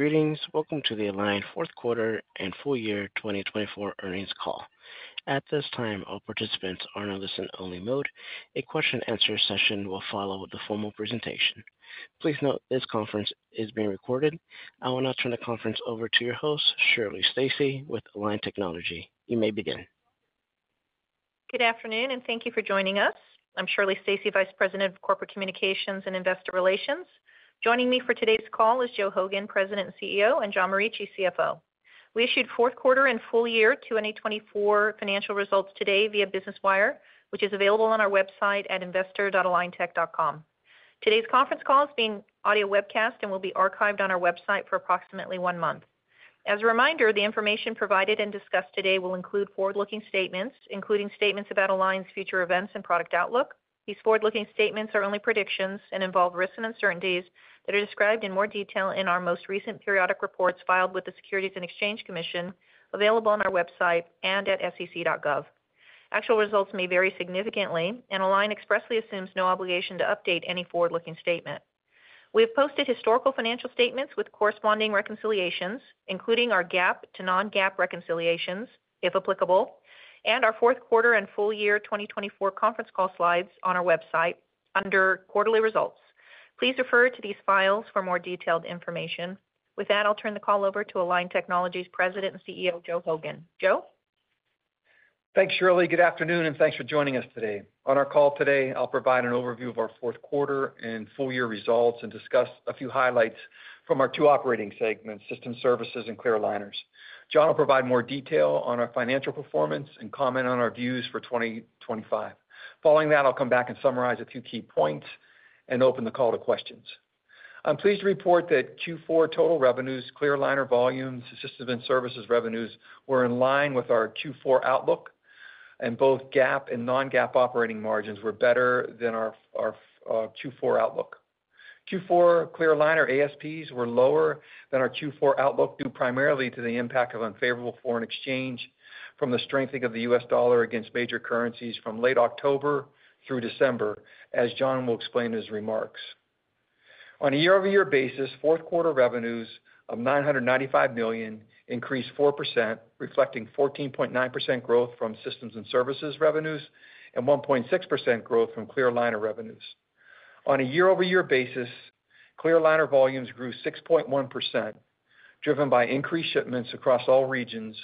Greetings. Welcome to the Align Q4 and Full Year 2024 Earnings Call. At this time, all participants are in a listen-only mode. A question-and-answer session will follow the formal presentation. Please note this conference is being recorded. I will now turn the conference over to your host, Shirley Stacy, with Align Technology. You may begin. Good afternoon, and thank you for joining us. I'm Shirley Stacy, Vice President of Corporate Communications and Investor Relations. Joining me for today's call is Joe Hogan, President and CEO, and John Morici, CFO. We issued Q4 and Full Year 2024 financial results today via Business Wire, which is available on our website at investor.aligntech.com. Today's conference call is being audio-webcast and will be archived on our website for approximately one month. As a reminder, the information provided and discussed today will include forward-looking statements, including statements about Align's future events and product outlook. These forward-looking statements are only predictions and involve risks and uncertainties that are described in more detail in our most recent periodic reports filed with the Securities and Exchange Commission, available on our website and at sec.gov. Actual results may vary significantly, and Align expressly assumes no obligation to update any forward-looking statement. We have posted historical financial statements with corresponding reconciliations, including our GAAP to non-GAAP reconciliations, if applicable, and our Q4 and Full Year 2024 conference call slides on our website under Quarterly Results. Please refer to these files for more detailed information. With that, I'll turn the call over to Align Technology's President and CEO, Joe Hogan. Joe? Thanks, Shirley. Good afternoon, and thanks for joining us today. On our call today, I'll provide an overview of our Q4 and full year results and discuss a few highlights from our two operating segments, Systems and Services and Clear Aligners. John will provide more detail on our financial performance and comment on our views for 2025. Following that, I'll come back and summarize a few key points and open the call to questions. I'm pleased to report that Q4 total revenues, Clear Aligner volumes, Systems and Services revenues were in line with our Q4 outlook, and both GAAP and non-GAAP operating margins were better than our Q4 outlook. Q4 Clear Aligner ASPs were lower than our Q4 outlook due primarily to the impact of unfavorable foreign exchange from the strengthening of the U.S. dollar against major currencies from late October through December, as John will explain in his remarks. On a year-over-year basis, Q4 revenues of $995 million increased 4%, reflecting 14.9% growth from Systems and Services revenues and 1.6% growth from Clear Aligner revenues. On a year-over-year basis, Clear Aligner volumes grew 6.1%, driven by increased shipments across all regions,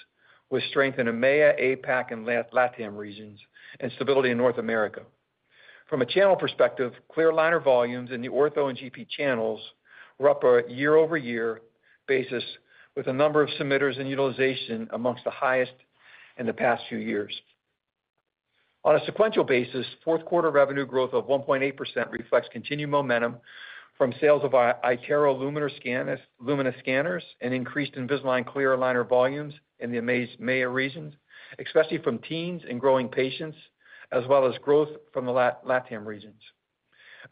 with strength in EMEA, APAC, and LATAM regions, and stability in North America. From a channel perspective, Clear Aligner volumes in the Ortho and GP channels were up on a year-over-year basis, with a number of submitters and utilization among the highest in the past few years. On a sequential basis, Q4 revenue growth of 1.8% reflects continued momentum from sales of iTero Lumina scanners and increased Invisalign Clear Aligner volumes in the EMEA regions, especially from teens and growing patients, as well as growth from the LATAM regions.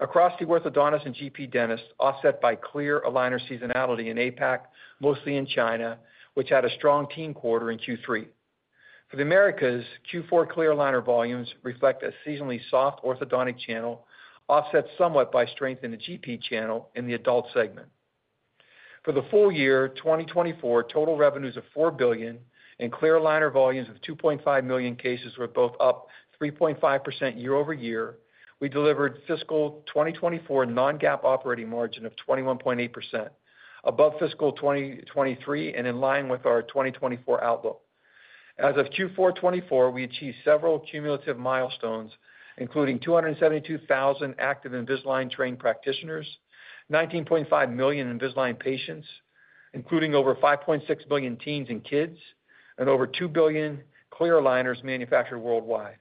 Across the orthodontists and GP dentists, offset by Clear Aligner seasonality in APAC, mostly in China, which had a strong teen quarter in Q3. For the Americas, Q4 Clear Aligner volumes reflect a seasonally soft orthodontic channel, offset somewhat by strength in the GP channel in the adult segment. For the full year, 2024 total revenues of $4 billion and Clear Aligner volumes of 2.5 million cases were both up 3.5% year-over-year. We delivered fiscal 2024 non-GAAP operating margin of 21.8%, above fiscal 2023 and in line with our 2024 outlook. As of Q4 2024, we achieved several cumulative milestones, including 272,000 active Invisalign trained practitioners, 19.5 million Invisalign patients, including over 5.6 million teens and kids, and over 2 billion Clear Aligners manufactured worldwide.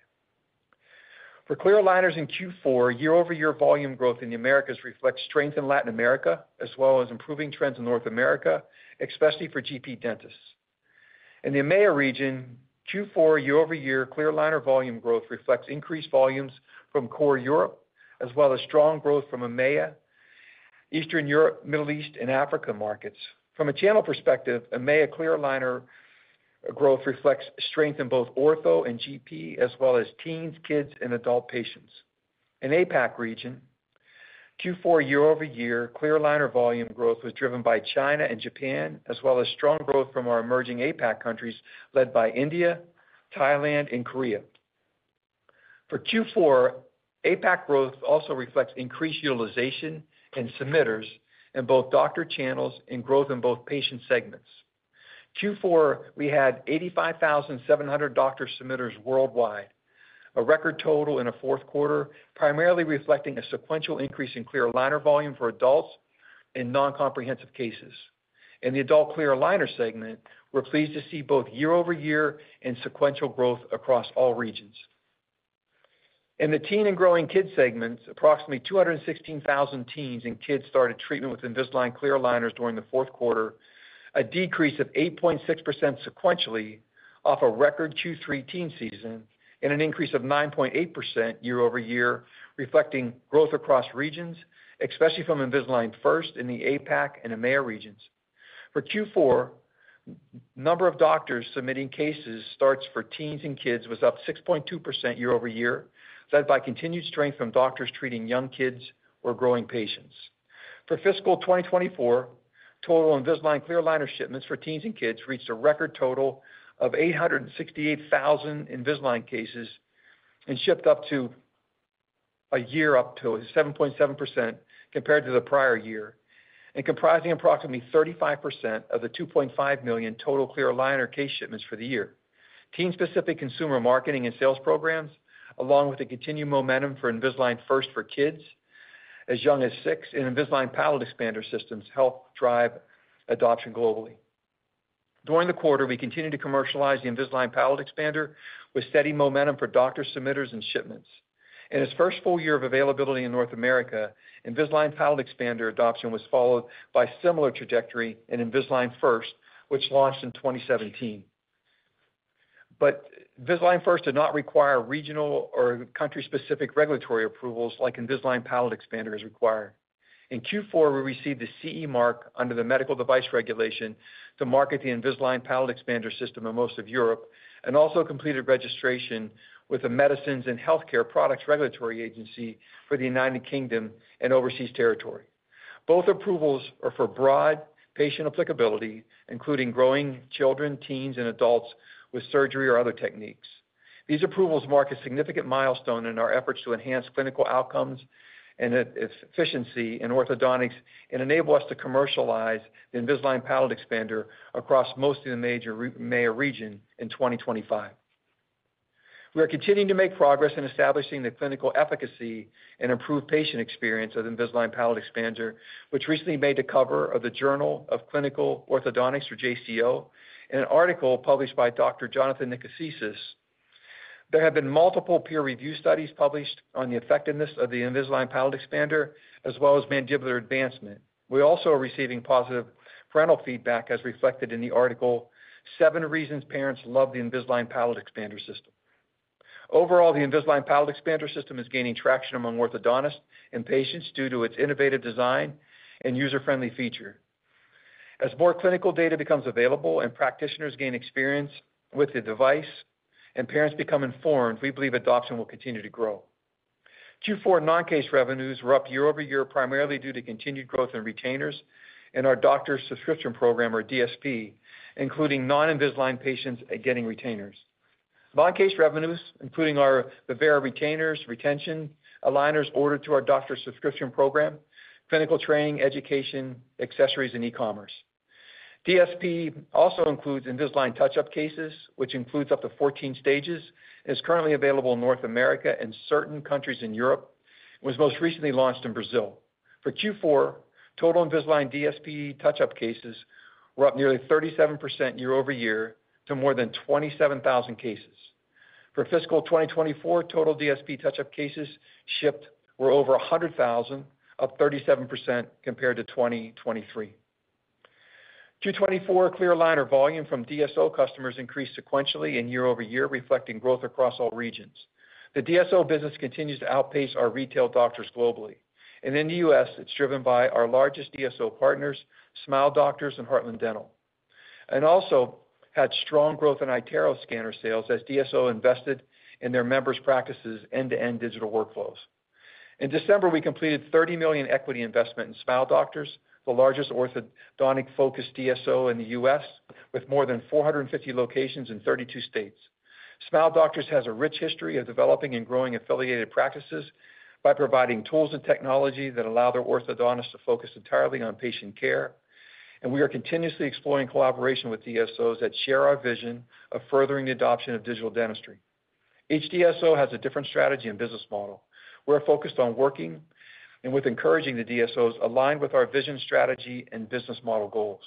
For Clear Aligners in Q4, year-over-year volume growth in the Americas reflects strength in Latin America, as well as improving trends in North America, especially for GP dentists. In the EMEA region, Q4 year-over-year Clear Aligner volume growth reflects increased volumes from Core Europe, as well as strong growth from EMEA, Eastern Europe, Middle East, and Africa markets. From a channel perspective, EMEA Clear Aligner growth reflects strength in both Ortho and GP, as well as teens, kids, and adult patients. In the APAC region, Q4 year-over-year Clear Aligner volume growth was driven by China and Japan, as well as strong growth from our emerging APAC countries led by India, Thailand, and Korea. For Q4, APAC growth also reflects increased utilization and submitters in both doctor channels and growth in both patient segments. Q4, we had 85,700 doctor submitters worldwide, a record total in a Q4, primarily reflecting a sequential increase in Clear Aligner volume for adults and non-comprehensive cases. In the adult Clear Aligner segment, we're pleased to see both year-over-year and sequential growth across all regions. In the teen and growing kid segments, approximately 216,000 teens and kids started treatment with Invisalign Clear Aligners during Q4, a decrease of 8.6% sequentially off a record Q3 teen season and an increase of 9.8% year-over-year, reflecting growth across regions, especially from Invisalign First in the APAC and EMEA regions. For Q4, the number of doctors submitting case starts for teens and kids was up 6.2% year-over-year, led by continued strength from doctors treating young kids or growing patients. For fiscal 2024, total Invisalign Clear Aligner shipments for teens and kids reached a record total of 868,000 Invisalign cases and shipped up year-over-year up 7.7% compared to the prior year, comprising approximately 35% of the 2.5 million total Clear Aligner case shipments for the year. Teen-specific consumer marketing and sales programs, along with the continued momentum for Invisalign First for kids as young as 6 and Invisalign Palate Expander systems, help drive adoption globally. During the quarter, we continued to commercialize the Invisalign Palate Expander, with steady momentum for doctor submissions and shipments. In its first full year of availability in North America, Invisalign Palate Expander adoption followed a similar trajectory in Invisalign First, which launched in 2017. But Invisalign First did not require regional or country-specific regulatory approvals like Invisalign Palate Expander is required. In Q4, we received the CE mark under the Medical Device Regulation to market the Invisalign Palate Expander system in most of Europe and also completed registration with the Medicines and Healthcare Products Regulatory Agency for the United Kingdom and overseas territory. Both approvals are for broad patient applicability, including growing children, teens, and adults with surgery or other techniques. These approvals mark a significant milestone in our efforts to enhance clinical outcomes and efficiency in orthodontics and enable us to commercialize the Invisalign Palate Expander across most of the major EMEA region in 2025. We are continuing to make progress in establishing the clinical efficacy and improved patient experience of Invisalign Palate Expander, which recently made the cover of the Journal of Clinical Orthodontics, or JCO, in an article published by Dr. Jonathan Nicozisis. There have been multiple peer-reviewed studies published on the effectiveness of the Invisalign Palate Expander, as well as mandibular advancement. We also are receiving positive parental feedback, as reflected in the article, "Seven Reasons Parents Love the Invisalign Palate Expander System." Overall, the Invisalign Palate Expander system is gaining traction among orthodontists and patients due to its innovative design and user-friendly feature. As more clinical data becomes available and practitioners gain experience with the device and parents become informed, we believe adoption will continue to grow. Q4 non-case revenues were up year-over-year, primarily due to continued growth in retainers and our doctor's subscription program, or DSP, including non-Invisalign patients getting retainers. Non-case revenues, including our Vivera retainers, retention aligners ordered to our Doctor Subscription Program, clinical training, education, accessories, and e-commerce. DSP also includes Invisalign touch-up cases, which includes up to 14 stages, is currently available in North America and certain countries in Europe, and was most recently launched in Brazil. For Q4, total Invisalign DSP touch-up cases were up nearly 37% year-over-year to more than 27,000 cases. For fiscal 2024, total DSP touch-up cases shipped were over 100,000, up 37% compared to 2023. Q4 Clear Aligner volume from DSO customers increased sequentially and year-over-year, reflecting growth across all regions. The DSO business continues to outpace our retail doctors globally. In the U.S., it's driven by our largest DSO partners, Smile Doctors and Heartland Dental, and also had strong growth in iTero scanner sales as DSO invested in their members' practices' end-to-end digital workflows. In December, we completed $30 million equity investment in Smile Doctors, the largest orthodontic-focused DSO in the U.S., with more than 450 locations in 32 states. Smile Doctors has a rich history of developing and growing affiliated practices by providing tools and technology that allow their orthodontists to focus entirely on patient care, and we are continuously exploring collaboration with DSOs that share our vision of furthering the adoption of digital dentistry. Each DSO has a different strategy and business model. We're focused on working with and encouraging the DSOs aligned with our vision, strategy, and business model goals.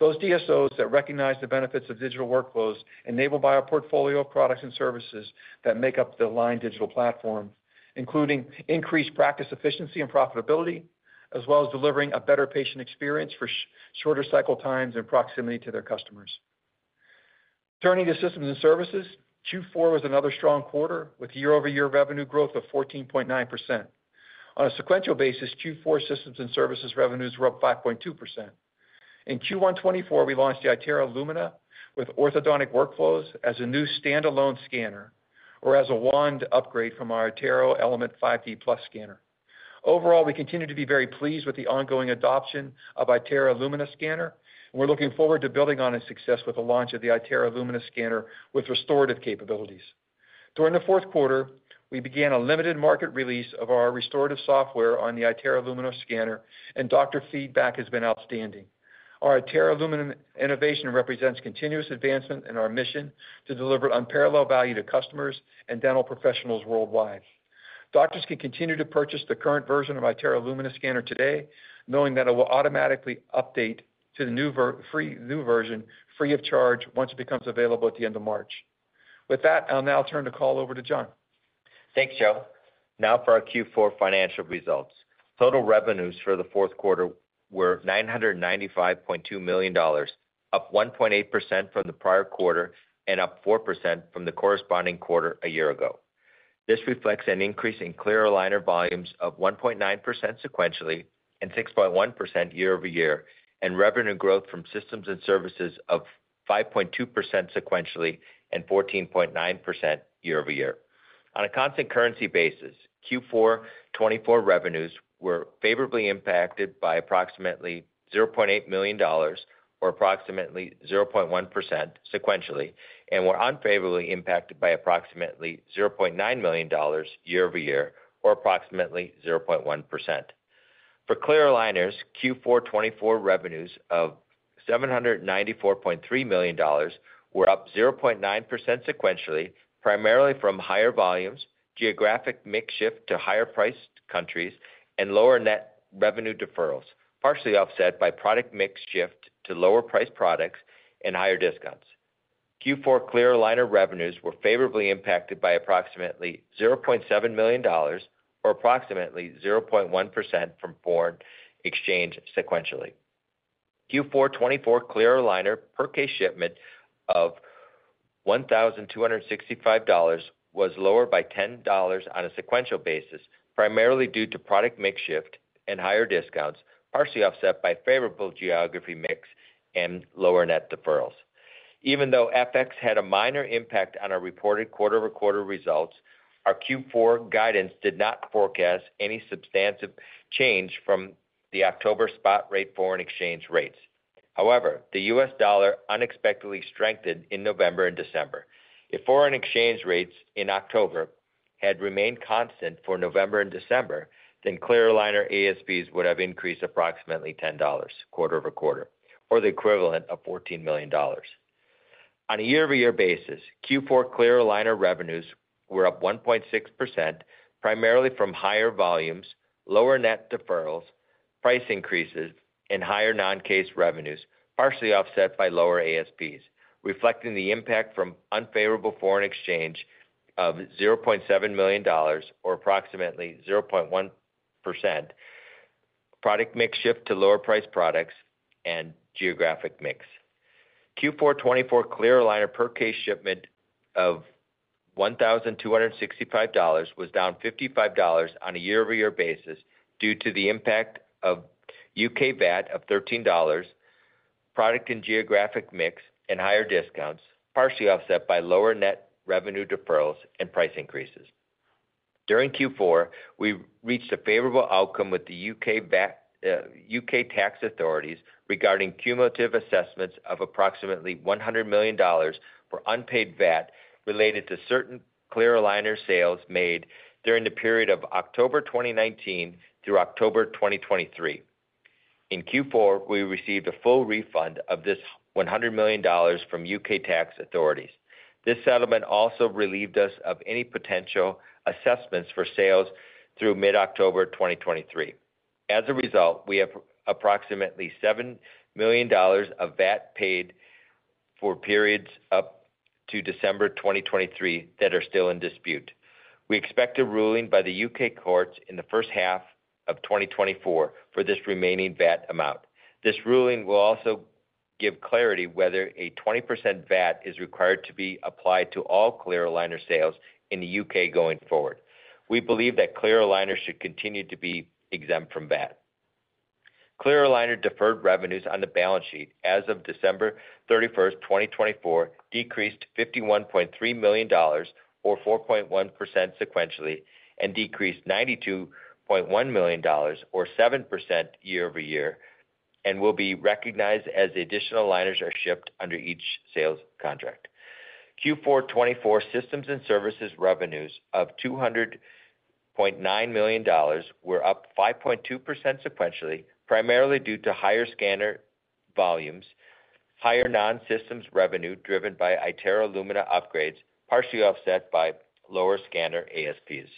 Those DSOs that recognize the benefits of digital workflows enabled by our portfolio of products and services that make up the Align Digital platform, including increased practice efficiency and profitability, as well as delivering a better patient experience for shorter cycle times and proximity to their customers. Turning to Systems and Services, Q4 was another strong quarter with year-over-year revenue growth of 14.9%. On a sequential basis, Q4 Systems and Services revenues were up 5.2%. In Q1 2024, we launched the iTero Lumina with orthodontic workflows as a new standalone scanner, or as a wand upgrade from our iTero Element 5D Plus scanner. Overall, we continue to be very pleased with the ongoing adoption of iTero Lumina scanner, and we're looking forward to building on its success with the launch of the iTero Lumina scanner with restorative capabilities. During Q4, we began a limited market release of our restorative software on the iTero Lumina scanner, and doctor feedback has been outstanding. Our iTero Lumina innovation represents continuous advancement in our mission to deliver unparalleled value to customers and dental professionals worldwide. Doctors can continue to purchase the current version of iTero Lumina scanner today, knowing that it will automatically update to the new version, free of charge, once it becomes available at the end of March. With that, I'll now turn the call over to John. Thanks, Joe. Now for our Q4 financial results. Total revenues for the Q4 were $995.2 million, up 1.8% from the prior quarter and up 4% from the corresponding quarter a year ago. This reflects an increase in Clear Aligner volumes of 1.9% sequentially and 6.1% year-over-year, and revenue growth from Systems and Services of 5.2% sequentially and 14.9% year-over-year. On a constant currency basis, Q4 2024 revenues were favorably impacted by approximately $0.8 million, or approximately 0.1% sequentially, and were unfavorably impacted by approximately $0.9 million year-over-year, or approximately 0.1%. For Clear Aligners, Q4 2024 revenues of $794.3 million were up 0.9% sequentially, primarily from higher volumes, geographic mix shift to higher-priced countries, and lower net revenue deferrals, partially offset by product mix shift to lower-priced products and higher discounts. Q4 2024 Clear Aligner revenues were favorably impacted by approximately $0.7 million, or approximately 0.1% from foreign exchange sequentially. Q4 2024 Clear Aligner per case shipment of $1,265 was lower by 10 on a sequential basis, primarily due to product mix shift and higher discounts, partially offset by favorable geography mix and lower net deferrals. Even though FX had a minor impact on our reported quarter-over-quarter results, our Q4 guidance did not forecast any substantive change from the October spot rate foreign exchange rates. However, the U.S. dollar unexpectedly strengthened in November and December. If foreign exchange rates in October had remained constant for November and December, then Clear Aligner ASPs would have increased approximately $10 quarter-over-quarter, or the equivalent of $14 million. On a year-over-year basis, Q4 Clear Aligner revenues were up 1.6%, primarily from higher volumes, lower net deferrals, price increases, and higher non-case revenues, partially offset by lower ASPs, reflecting the impact from unfavorable foreign exchange of $0.7 million, or approximately 0.1%, product mix shift to lower-priced products, and geographic mix. Q4 2024 Clear Aligner per case shipment of $1,265 was down 55 on a year-over-year basis due to the impact of UK VAT of $13, product and geographic mix, and higher discounts, partially offset by lower net revenue deferrals and price increases. During Q4, we reached a favorable outcome with the UK tax authorities regarding cumulative assessments of approximately $100 million for unpaid VAT related to certain Clear Aligner sales made during the period of October 2019 through October 2023. In Q4, we received a full refund of this $100 million from U.K. tax authorities. This settlement also relieved us of any potential assessments for sales through mid-October 2023. As a result, we have approximately $7 million of VAT paid for periods up to December 2023 that are still in dispute. We expect a ruling by the U.K. courts in the first half of 2024 for this remaining VAT amount. This ruling will also give clarity whether a 20% VAT is required to be applied to all Clear Aligner sales in the UK going forward. We believe that Clear Aligner should continue to be exempt from VAT. Clear Aligner deferred revenues on the balance sheet as of December 31, 2024, decreased $51.3 million, or 4.1% sequentially, and decreased $92.1 million, or 7% year-over-year, and will be recognized as additional aligners are shipped under each sales contract. Q4 2024 Systems and Services revenues of $200.9 million were up 5.2% sequentially, primarily due to higher scanner volumes, higher non-Systems revenue driven by iTero Lumina upgrades, partially offset by lower scanner ASPs.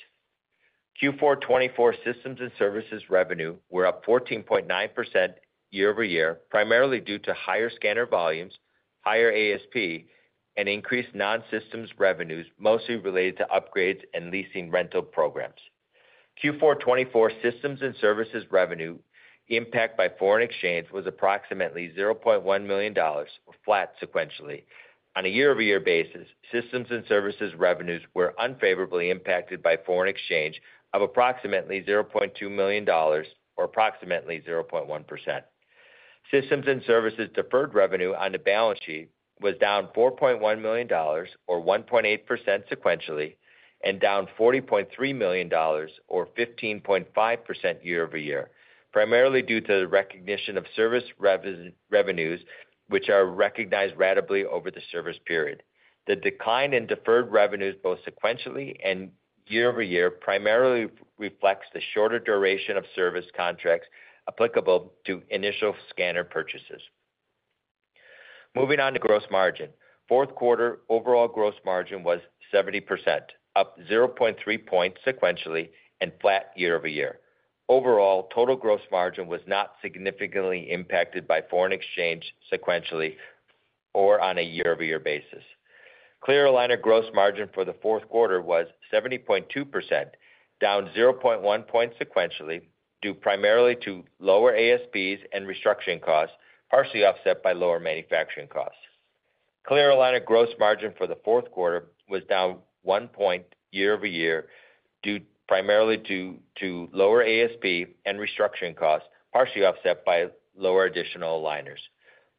Q4 2024 Systems and Services revenue were up 14.9% year-over-year, primarily due to higher scanner volumes, higher ASP, and increased non-Systems revenues, mostly related to upgrades and leasing rental programs. Q4 2024 Systems and Services revenue impact by foreign exchange was approximately $0.1 million, or flat sequentially. On a year-over-year basis, Systems and Services revenues were unfavorably impacted by foreign exchange of approximately $0.2 million, or approximately 0.1%. Systems and Services deferred revenue on the balance sheet was down $4.1 million, or 1.8% sequentially, and down $40.3 million, or 15.5% year-over-year, primarily due to the recognition of service revenues, which are recognized ratably over the service period. The decline in deferred revenues, both sequentially and year-over-year, primarily reflects the shorter duration of service contracts applicable to initial scanner purchases. Moving on to gross margin. Q4 overall gross margin was 70%, up 0.3 points sequentially and flat year-over-year. Overall, total gross margin was not significantly impacted by foreign exchange sequentially or on a year-over-year basis. Clear Aligner gross margin for Q4 was 70.2%, down 0.1 points sequentially due primarily to lower ASPs and restructuring costs, partially offset by lower manufacturing costs. Clear Aligner gross margin for the Q4 was down one point year-over-year due primarily to lower ASP and restructuring costs, partially offset by lower additional aligners.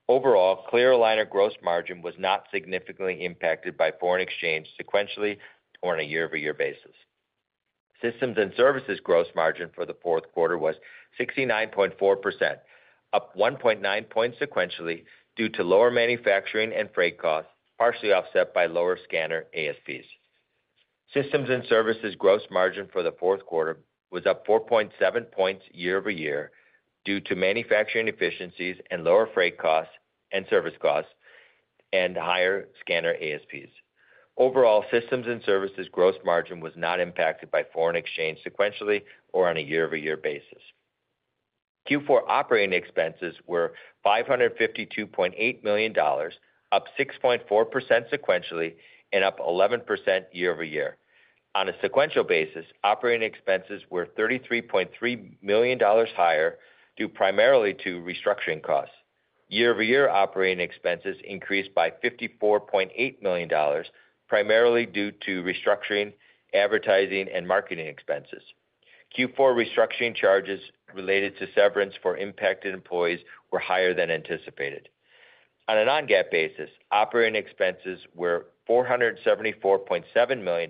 Overall, Clear Aligner gross margin was not significantly impacted by foreign exchange sequentially or on a year-over-year basis. Systems and Services gross margin for Q4 was 69.4%, up 1.9 points sequentially due to lower manufacturing and freight costs, partially offset by lower scanner ASPs. Systems and Services gross margin for Q4 was up 4.7 points year-over-year due to manufacturing efficiencies and lower freight costs and service costs and higher scanner ASPs. Overall, Systems and Services gross margin was not impacted by foreign exchange sequentially or on a year-over-year basis. Q4 operating expenses were $552.8 million, up 6.4% sequentially and up 11% year-over-year. On a sequential basis, operating expenses were $33.3 million higher due primarily to restructuring costs. Year-over-year operating expenses increased by $54.8 million, primarily due to restructuring, advertising, and marketing expenses. Q4 restructuring charges related to severance for impacted employees were higher than anticipated. On a Non-GAAP basis, operating expenses were $474.7 million,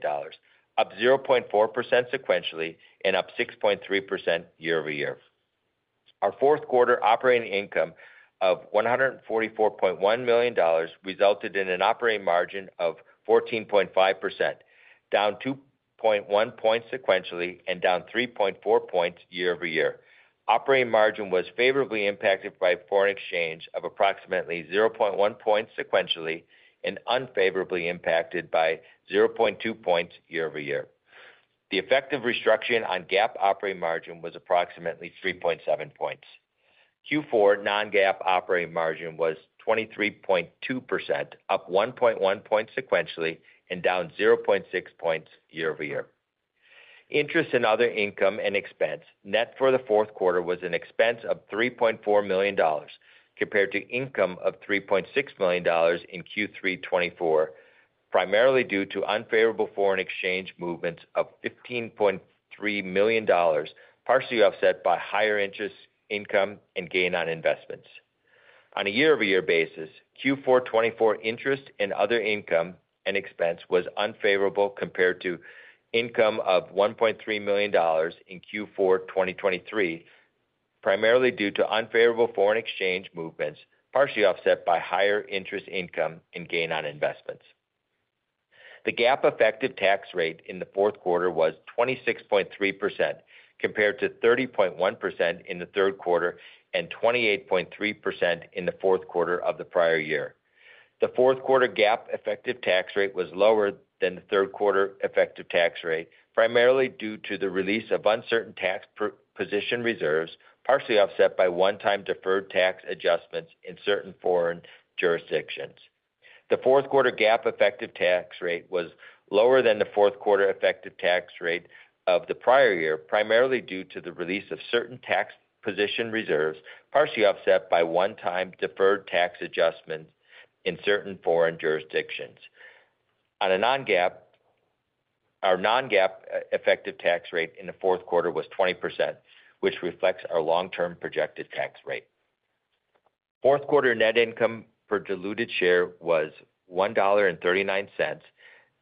up 0.4% sequentially and up 6.3% year-over-year. Our Q4 operating income of $144.1 million resulted in an operating margin of 14.5%, down 2.1 points sequentially and down 3.4 points year-over-year. Operating margin was favorably impacted by foreign exchange of approximately 0.1 points sequentially and unfavorably impacted by 0.2 points year-over-year. The effect of restructuring on GAAP operating margin was approximately 3.7 points. Q4 non-GAAP operating margin was 23.2%, up 1.1 points sequentially and down 0.6 points year-over-year. Interest and other income and expense, net, for the Q4 was an expense of $3.4 million, compared to income of $3.6 million in Q3 2024, primarily due to unfavorable foreign exchange movements of $15.3 million, partially offset by higher interest income and gain on investments. On a year-over-year basis, Q4 2024 interest and other income and expense was unfavorable compared to income of $1.3 million in Q4 2023, primarily due to unfavorable foreign exchange movements, partially offset by higher interest income and gain on investments. The GAAP effective tax rate in Q4 was 26.3%, compared to 30.1% in Q3 and 28.3% in Q4 of the prior year.Q4 GAAP effective tax rate was lower than the Q3 effective tax rate, primarily due to the release of uncertain tax position reserves, partially offset by one-time deferred tax adjustments in certain foreign jurisdictions. Q4 GAAP effective tax rate was lower than the Q4 effective tax rate of the prior year, primarily due to the release of certain tax position reserves, partially offset by one-time deferred tax adjustments in certain foreign jurisdictions. On a non-GAAP basis, our non-GAAP effective tax rate in the Q4 was 20%, which reflects our long-term projected tax rate. Q4 net income per diluted share was $1.39,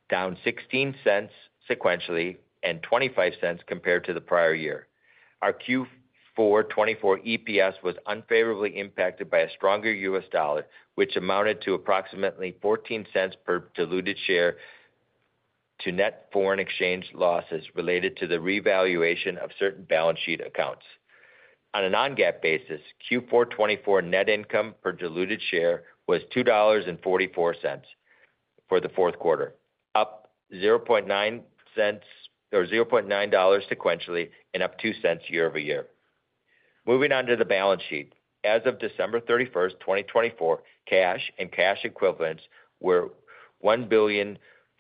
down 0.16 sequentially and $0.25 compared to the prior year. Our Q4 2024 EPS was unfavorably impacted by a stronger U.S. dollar, which amounted to approximately $0.14 per diluted share to net foreign exchange losses related to the revaluation of certain balance sheet accounts. On a non-GAAP basis, Q4 2024 net income per diluted share was $2.44 for the Q4, up 0.9 cents or 0.9 sequentially and up 0.02 year-over-year. Moving on to the balance sheet. As of December 31, 2024, cash and cash equivalents were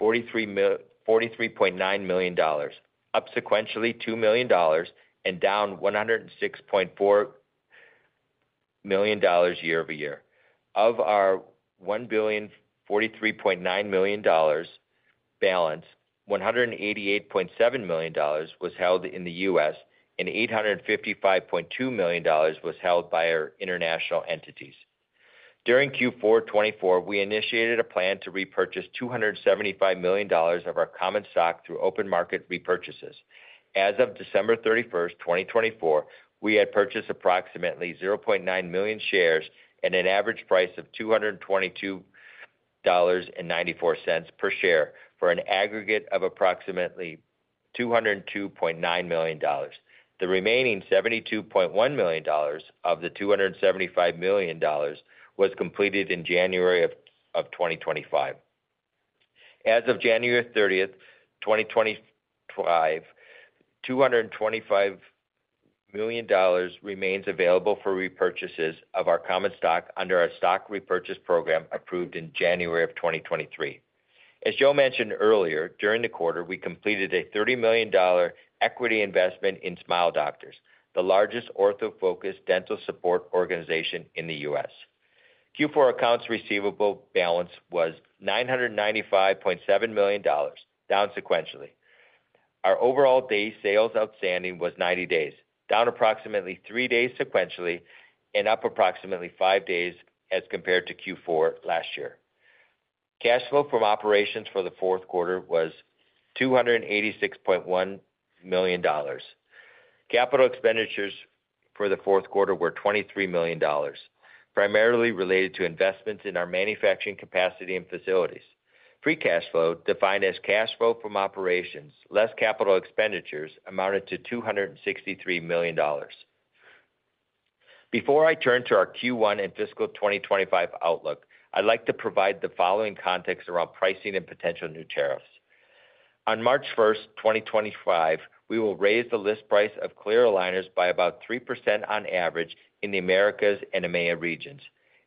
$1,043.9, up sequentially 2 million and down $106.4 million year-over-year. Of our $1,043.9 balance 188.7 million was held in the U.S. and $855.2 million was held by our international entities. During Q4 2024, we initiated a plan to repurchase $275 million of our common stock through open market repurchases. As of December 31, 2024, we had purchased approximately 0.9 million shares at an average price of $222.94 per share for an aggregate of approximately $202.9 million. The remaining $72.1 of the 275 million was completed in January of 2025. As of January 30, 2025, $225 million remains available for repurchases of our common stock under our stock repurchase program approved in January of 2023. As Joe mentioned earlier, during the quarter, we completed a $30 million equity investment in Smile Doctors, the largest orthodontic-focused dental support organization in the U.S. Q4 accounts receivable balance was $995.7 million, down sequentially. Our overall day sales outstanding was 90 days, down approximately three days sequentially and up approximately five days as compared to Q4 last year. Cash flow from operations for Q4 was $286.1 million. Capital expenditures for Q4 were $23 million, primarily related to investments in our manufacturing capacity and facilities. Free cash flow, defined as cash flow from operations less capital expenditures, amounted to $263 million. Before I turn to our Q1 and fiscal 2025 outlook, I'd like to provide the following context around pricing and potential new tariffs. On March 1, 2025, we will raise the list price of Clear Aligners by about 3% on average in the Americas and EMEA regions.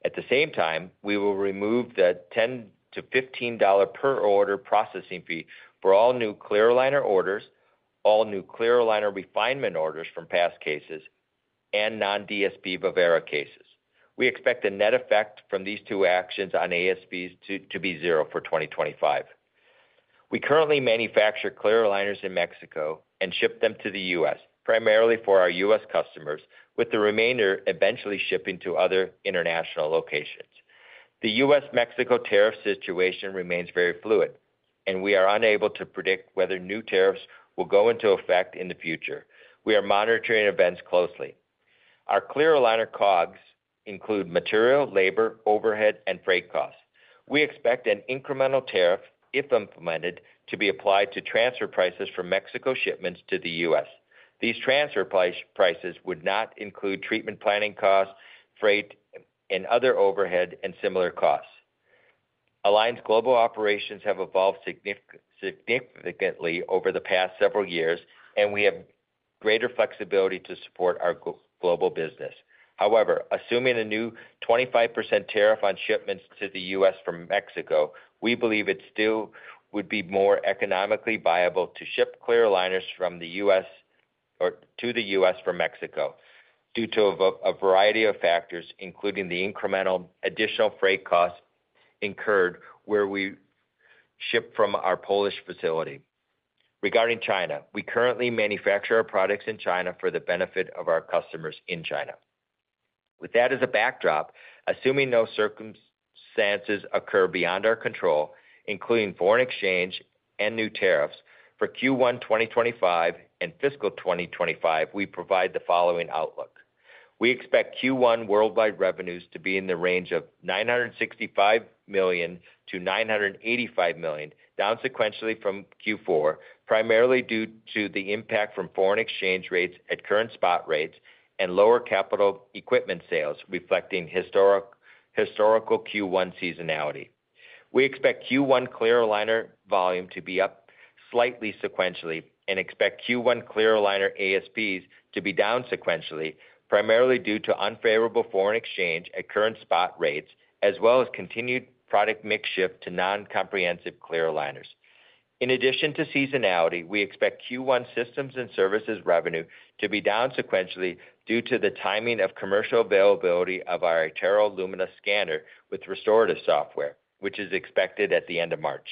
At the same time, we will remove the $10-15 per order processing fee for all new Clear Aligner orders, all new Clear Aligner refinement orders from past cases, and non-DSP Vivera cases. We expect the net effect from these two actions on ASPs to be zero for 2025. We currently manufacture Clear Aligners in Mexico and ship them to the U.S., primarily for our U.S. customers, with the remainder eventually shipping to other international locations. The U.S.-Mexico tariff situation remains very fluid, and we are unable to predict whether new tariffs will go into effect in the future. We are monitoring events closely. Our Clear Aligner COGS include material, labor, overhead, and freight costs. We expect an incremental tariff, if implemented, to be applied to transfer prices for Mexico shipments to the U.S. These transfer prices would not include treatment planning costs, freight, and other overhead and similar costs. Align's global operations have evolved significantly over the past several years, and we have greater flexibility to support our global business. However, assuming a new 25% tariff on shipments to the U.S. from Mexico, we believe it still would be more economically viable to ship Clear Aligners from the U.S. or to the U.S. from Mexico due to a variety of factors, including the incremental additional freight costs incurred where we ship from our Polish facility. Regarding China, we currently manufacture our products in China for the benefit of our customers in China. With that as a backdrop, assuming no circumstances occur beyond our control, including foreign exchange and new tariffs, for Q1 2025 and fiscal 2025, we provide the following outlook. We expect Q1 worldwide revenues to be in the range of $965-985 million, down sequentially from Q4, primarily due to the impact from foreign exchange rates at current spot rates and lower capital equipment sales, reflecting historical Q1 seasonality. We expect Q1 Clear Aligner volume to be up slightly sequentially and expect Q1 Clear Aligner ASPs to be down sequentially, primarily due to unfavorable foreign exchange at current spot rates, as well as continued product mix shift to non-comprehensive Clear Aligners. In addition to seasonality, we expect Q1 systems and services revenue to be down sequentially due to the timing of commercial availability of our iTero Lumina scanner with restorative software, which is expected at the end of March.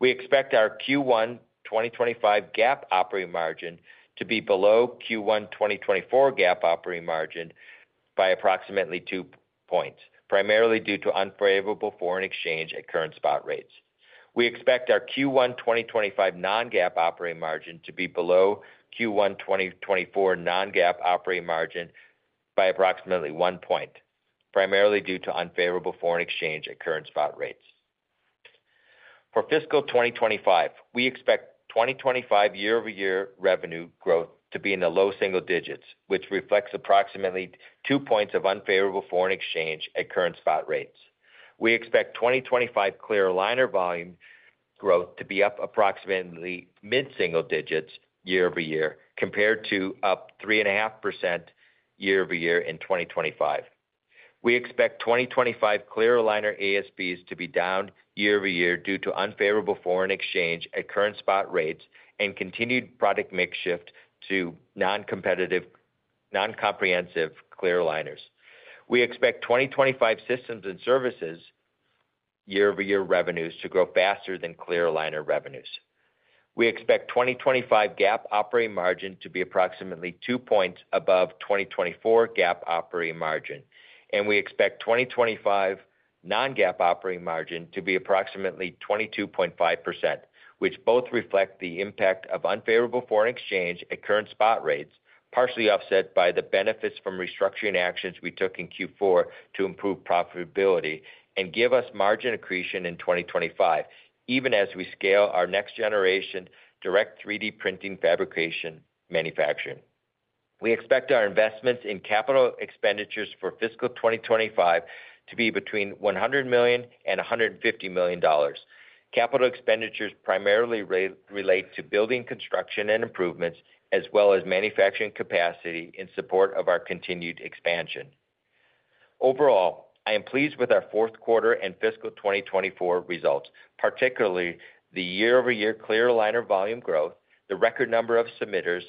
We expect our Q1 2025 GAAP operating margin to be below Q1 2024 GAAP operating margin by approximately two points, primarily due to unfavorable foreign exchange at current spot rates. We expect our Q1 2025 non-GAAP operating margin to be below Q1 2024 non-GAAP operating margin by approximately one point, primarily due to unfavorable foreign exchange at current spot rates. For fiscal 2025, we expect 2025 year-over-year revenue growth to be in the low single digits, which reflects approximately two points of unfavorable foreign exchange at current spot rates. We expect 2025 Clear Aligner volume growth to be up approximately mid-single digits year-over-year, compared to up 3.5% year-over-year in 2025. We expect 2025 Clear Aligner ASBs to be down year-over-year due to unfavorable foreign exchange at current spot rates and continued product mix shift to non-competitive, non-comprehensive Clear Aligners. We expect 2025 systems and services year-over-year revenues to grow faster than Clear Aligner revenues. We expect 2025 GAAP operating margin to be approximately two points above 2024 GAAP operating margin, and we expect 2025 non-GAAP operating margin to be approximately 22.5%, which both reflect the impact of unfavorable foreign exchange at current spot rates, partially offset by the benefits from restructuring actions we took in Q4 to improve profitability and give us margin accretion in 2025, even as we scale our next-generation direct 3D printing fabrication manufacturing. We expect our investments in capital expenditures for fiscal 2025 to be between $100 and 150 million. Capital expenditures primarily relate to building, construction, and improvements, as well as manufacturing capacity in support of our continued expansion. Overall, I am pleased with our Q4 and fiscal 2024 results, particularly the year-over-year Clear Aligner volume growth, the record number of submitters,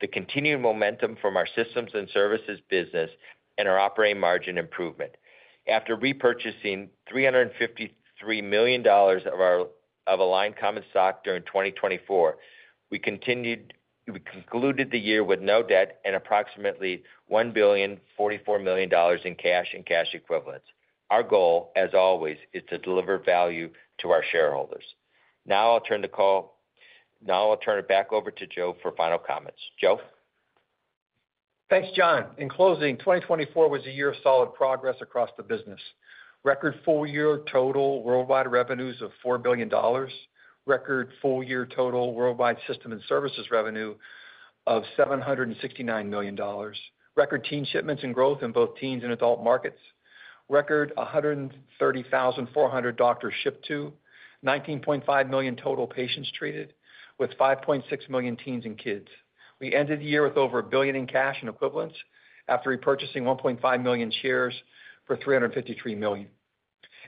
the continued momentum from our systems and services business, and our operating margin improvement. After repurchasing $353 million of Align common stock during 2024, we concluded the year with no debt and approximately $1,044 million in cash and cash equivalents. Our goal, as always, is to deliver value to our shareholders. Now I'll turn the call. Now I'll turn it back over to Joe for final comments. Joe. Thanks, John. In closing, 2024 was a year of solid progress across the business. Record full-year total worldwide revenues of $4 billion. Record full-year total worldwide systems and services revenue of $769 million. Record teen shipments and growth in both teens and adult markets. Record 130,400 doctors shipped to, 19.5 million total patients treated, with 5.6 million teens and kids. We ended the year with over $1 billion in cash and equivalents after repurchasing 1.5 million shares for $353 million.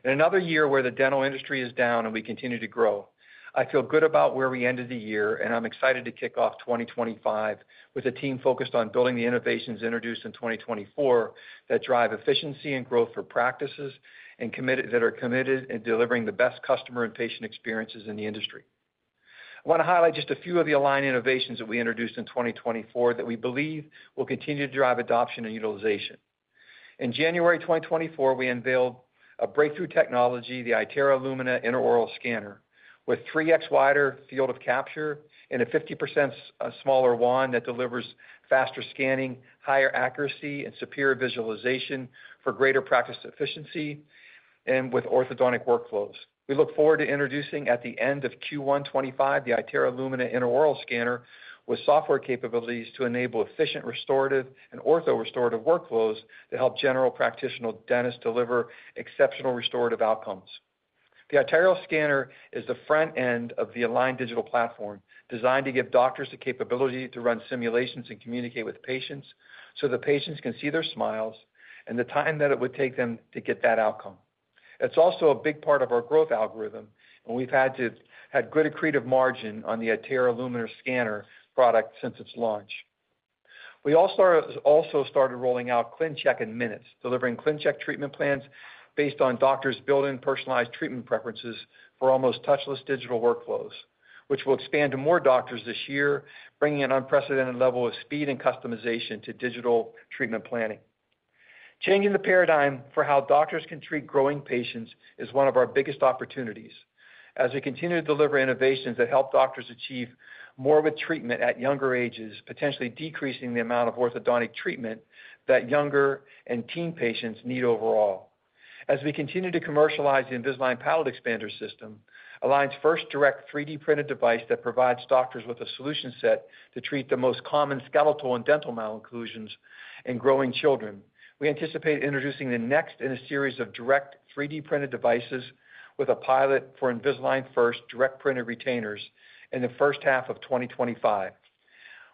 In another year where the dental industry is down and we continue to grow, I feel good about where we ended the year, and I'm excited to kick off 2025 with a team focused on building the innovations introduced in 2024 that drive efficiency and growth for practices and that are committed in delivering the best customer and patient experiences in the industry. I want to highlight just a few of the Align innovations that we introduced in 2024 that we believe will continue to drive adoption and utilization. In January 2024, we unveiled a breakthrough technology, the iTero Lumina Intraoral Scanner, with 3x wider field of capture and a 50% smaller wand that delivers faster scanning, higher accuracy, and superior visualization for greater practice efficiency and with orthodontic workflows. We look forward to introducing at the end of Q1 2025 the iTero Lumina Intraoral Scanner with software capabilities to enable efficient restorative and ortho-restorative workflows to help general practitioner dentists deliver exceptional restorative outcomes. The iTero scanner is the front end of the Align digital platform designed to give doctors the capability to run simulations and communicate with patients so the patients can see their smiles and the time that it would take them to get that outcome. It's also a big part of our growth algorithm, and we've had good accretive margin on the iTero Lumina Scanner product since its launch. We also started rolling out ClinCheck in minutes, delivering ClinCheck treatment plans based on doctors' built-in personalized treatment preferences for almost touchless digital workflows, which will expand to more doctors this year, bringing an unprecedented level of speed and customization to digital treatment planning. Changing the paradigm for how doctors can treat growing patients is one of our biggest opportunities as we continue to deliver innovations that help doctors achieve more with treatment at younger ages, potentially decreasing the amount of orthodontic treatment that younger and teen patients need overall. As we continue to commercialize the Invisalign Palate Expander System, Align's first direct 3D-printed device that provides doctors with a solution set to treat the most common skeletal and dental malocclusions in growing children. We anticipate introducing the next in a series of direct 3D-printed devices with a pilot for Invisalign First direct-printed retainers in the first half of 2025.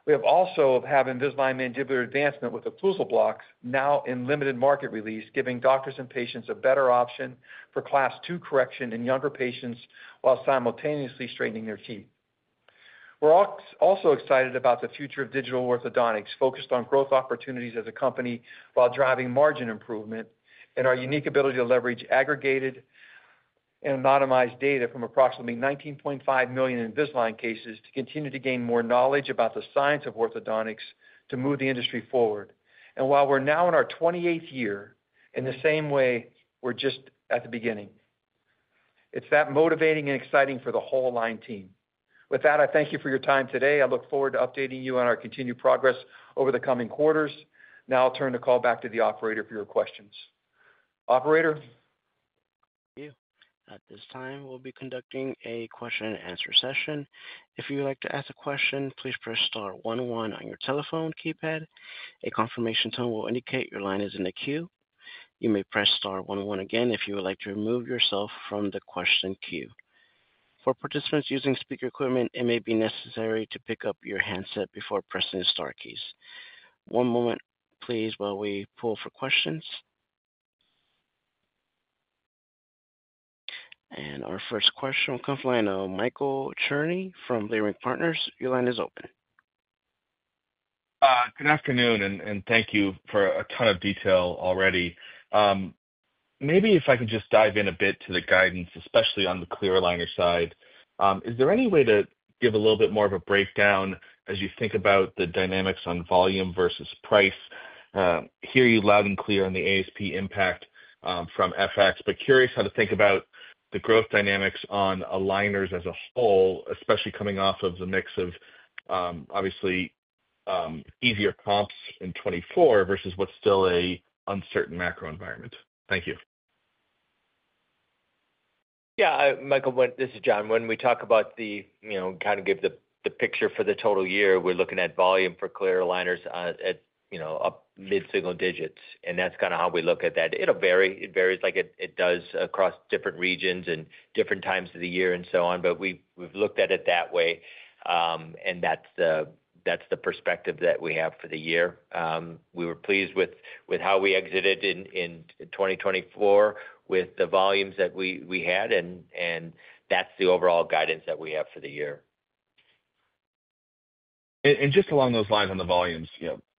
We also have Invisalign Mandibular Advancement with occlusal blocks now in limited market release, giving doctors and patients a better option for Class II correction in younger patients while simultaneously straightening their teeth. We're also excited about the future of digital orthodontics, focused on growth opportunities as a company while driving margin improvement and our unique ability to leverage aggregated and anonymized data from approximately 19.5 million Invisalign cases to continue to gain more knowledge about the science of orthodontics to move the industry forward. And while we're now in our 28th year, in the same way, we're just at the beginning. It's that motivating and exciting for the whole Align team. With that, I thank you for your time today. I look forward to updating you on our continued progress over the coming quarters. Now I'll turn the call back to the operator for your questions. Operator. At this time, we'll be conducting a question and answer session. If you would like to ask a question, please press star one one on your telephone keypad. A confirmation tone will indicate your line is in a queue. You may press star one one again if you would like to remove yourself from the question queue. For participants using speaker equipment, it may be necessary to pick up your handset before pressing the star keys. One moment, please, while we pull for questions. Our first question will come from Michael Cherney from Leerink Partners. Your line is open. Good afternoon, and thank you for a ton of detail already. Maybe if I could just dive in a bit to the guidance, especially on the Clear Aligner side. Is there any way to give a little bit more of a breakdown as you think about the dynamics on volume versus price? I hear you loud and clear on the ASP impact from FX, but curious how to think about the growth dynamics on aligners as a whole, especially coming off of the mix of obviously easier comps in 2024 versus what's still an uncertain macro environment. Thank you. Yeah, Michael, this is John. When we talk about the kind of give the picture for the total year, we're looking at volume for Clear Aligners at mid-single digits, and that's kind of how we look at that. It'll vary. It varies like it does across different regions and different times of the year and so on, but we've looked at it that way, and that's the perspective that we have for the year. We were pleased with how we exited in 2024 with the volumes that we had, and that's the overall guidance that we have for the year. And just along those lines on the volumes,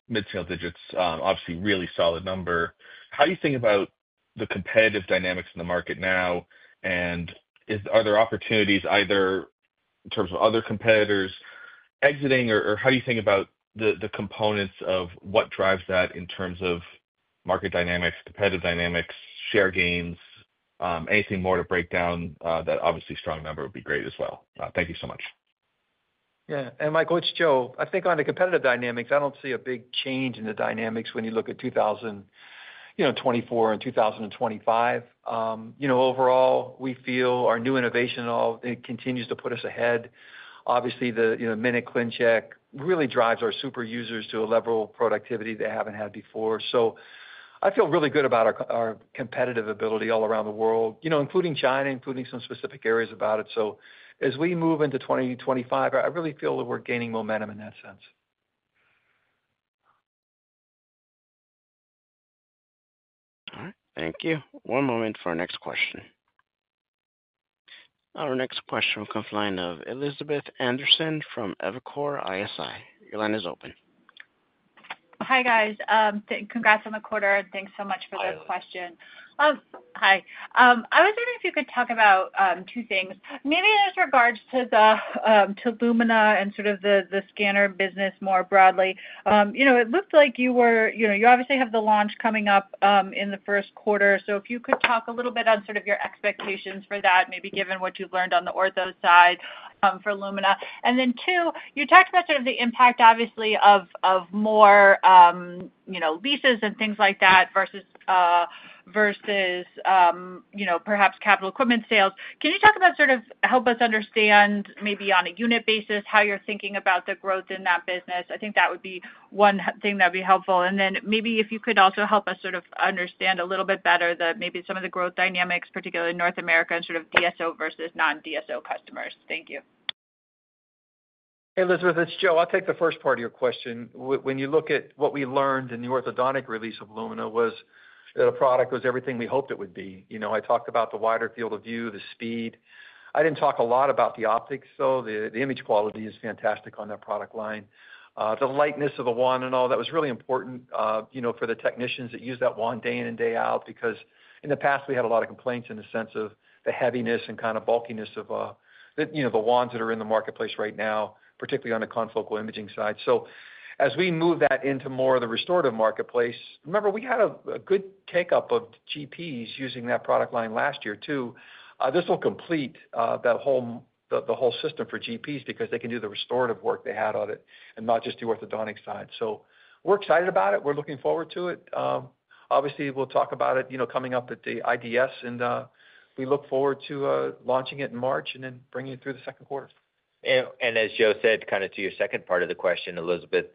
mid-single digits, obviously really solid number. How do you think about the competitive dynamics in the market now, and are there opportunities either in terms of other competitors exiting, or how do you think about the components of what drives that in terms of market dynamics, competitive dynamics, share gains, anything more to break down? That obviously strong number would be great as well. Thank you so much. Yeah, and Michael, it's Joe. I think on the competitive dynamics, I don't see a big change in the dynamics when you look at 2024 and 2025. Overall, we feel our new innovation continues to put us ahead. Obviously, the Minute ClinCheck really drives our super users to a level of productivity they haven't had before. So I feel really good about our competitive ability all around the world, including China, including some specific areas about it. So as we move into 2025, I really feel that we're gaining momentum in that sense. All right. Thank you. One moment for our next question. Our next question will come from Elizabeth Anderson from Evercore ISI. Your line is open. Hi, guys. Congrats on the quarter. Thanks so much for the question. Hi. I was wondering if you could talk about two things, maybe in regards to the Lumina and sort of the scanner business more broadly. It looked like you obviously have the launch coming up in the first quarter. So if you could talk a little bit on sort of your expectations for that, maybe given what you've learned on the ortho side for Lumina. And then two, you talked about sort of the impact, obviously, of more leases and things like that versus perhaps capital equipment sales. Can you talk about sort of help us understand maybe on a unit basis how you're thinking about the growth in that business? I think that would be one thing that would be helpful. And then maybe if you could also help us sort of understand a little bit better that maybe some of the growth dynamics, particularly in North America and sort of DSO versus non-DSO customers. Thank you. Hey, Elizabeth, it's Joe. I'll take the first part of your question. When you look at what we learned in the orthodontic release of Lumina, was that a product was everything we hoped it would be. I talked about the wider field of view, the speed. I didn't talk a lot about the optics, though. The image quality is fantastic on that product line. The lightness of the wand and all that was really important for the technicians that use that wand day in and day out because in the past, we had a lot of complaints in the sense of the heaviness and kind of bulkiness of the wands that are in the marketplace right now, particularly on the confocal imaging side. So as we move that into more of the restorative marketplace, remember we had a good take-up of GPs using that product line last year too. This will complete the whole system for GPs because they can do the restorative work they had on it and not just the orthodontic side. So we're excited about it. We're looking forward to it. Obviously, we'll talk about it coming up at the IDS, and we look forward to launching it in March and then bringing it through Q2. And as Joe said, kind of to your second part of the question, Elizabeth,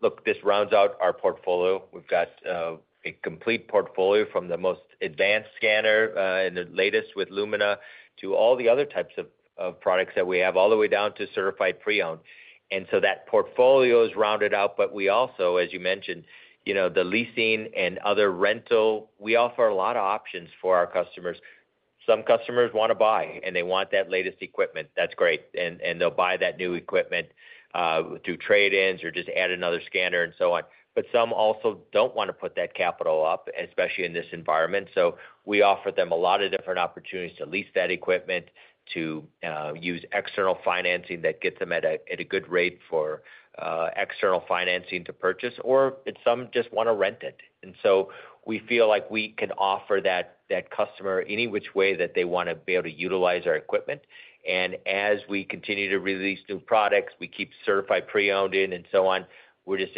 look, this rounds out our portfolio. We've got a complete portfolio from the most advanced scanner and the latest with Lumina to all the other types of products that we have, all the way down to certified pre-owned. And so that portfolio is rounded out, but we also, as you mentioned, the leasing and other rental, we offer a lot of options for our customers. Some customers want to buy, and they want that latest equipment. That's great. And they'll buy that new equipment through trade-ins or just add another scanner and so on. But some also don't want to put that capital up, especially in this environment. So we offer them a lot of different opportunities to lease that equipment, to use external financing that gets them at a good rate for external financing to purchase, or some just want to rent it. And so we feel like we can offer that customer any which way that they want to be able to utilize our equipment. And as we continue to release new products, we keep certified pre-owned in and so on. We're just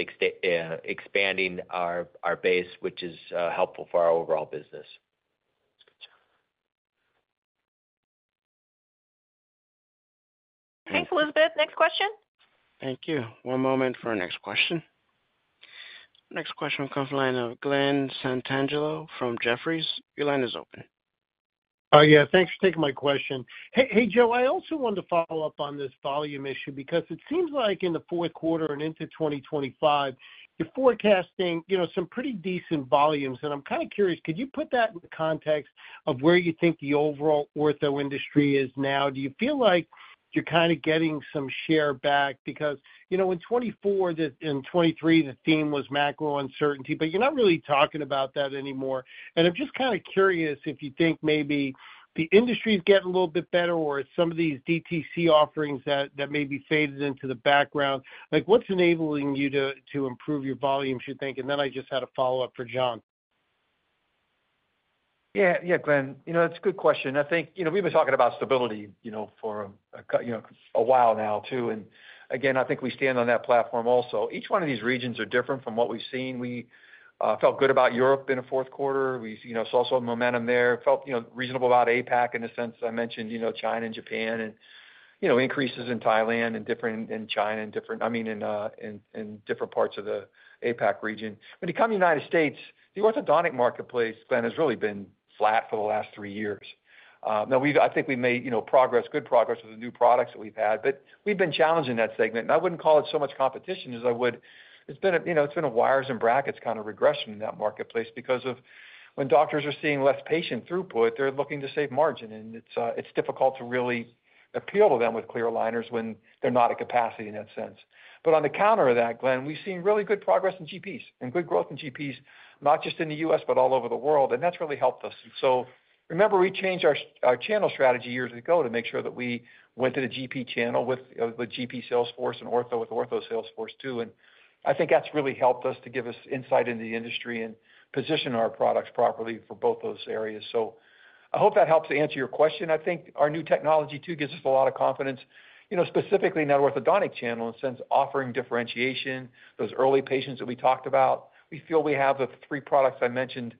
expanding our base, which is helpful for our overall business. Thanks, Elizabeth. Next question. Thank you. One moment for our next question. Next question will come from Glen Santangelo from Jefferies. Your line is open. Yeah. Thanks for taking my question. Hey, Joe, I also wanted to follow up on this volume issue because it seems like in the Q4 and into 2025, you're forecasting some pretty decent volumes. And I'm kind of curious, could you put that in the context of where you think the overall ortho industry is now? Do you feel like you're kind of getting some share back? Because in 2024 and 2023, the theme was macro uncertainty, but you're not really talking about that anymore. And I'm just kind of curious if you think maybe the industry is getting a little bit better or some of these DTC offerings that maybe faded into the background. What's enabling you to improve your volumes, you think? And then I just had a follow-up for John. Yeah. Yeah, Glen, that's a good question. I think we've been talking about stability for a while now too. And again, I think we stand on that platform also. Each one of these regions are different from what we've seen. We felt good about Europe in the Q4. We saw some momentum there. Felt reasonable about APAC in the sense I mentioned China and Japan and increases in Thailand and different in China, I mean, in different parts of the APAC region. When it comes to the United States, the orthodontic marketplace, Glen, has really been flat for the last three years. Now, I think we've made progress, good progress with the new products that we've had, but we've been challenging that segment. And I wouldn't call it so much competition as I would. It's been a wires and brackets kind of regression in that marketplace because when doctors are seeing less patient throughput, they're looking to save margin, and it's difficult to really appeal to them with clear aligners when they're not at capacity in that sense. But counter to that, Glen, we've seen really good progress in GPs and good growth in GPs, not just in the US, but all over the world. And that's really helped us. And so remember, we changed our channel strategy years ago to make sure that we went to the GP channel with the GP sales force and Ortho with Ortho sales force too. And I think that's really helped us to give us insight into the industry and position our products properly for both those areas. So I hope that helps to answer your question. I think our new technology too gives us a lot of confidence, specifically in that orthodontic channel in the sense of offering differentiation, those early patients that we talked about. We feel we have the three products I mentioned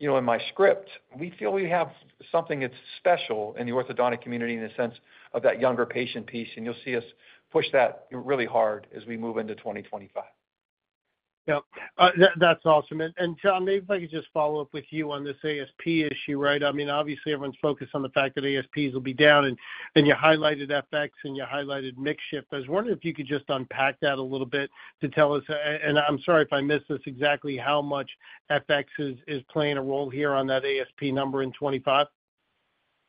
in my script. We feel we have something that's special in the orthodontic community in the sense of that younger patient piece. And you'll see us push that really hard as we move into 2025. Yep. That's awesome. And John, maybe if I could just follow up with you on this ASP issue, right? I mean, obviously, everyone's focused on the fact that ASPs will be down, and you highlighted FX and you highlighted mix shift. I was wondering if you could just unpack that a little bit to tell us. I'm sorry if I missed this exactly how much FX is playing a role here on that ASP number in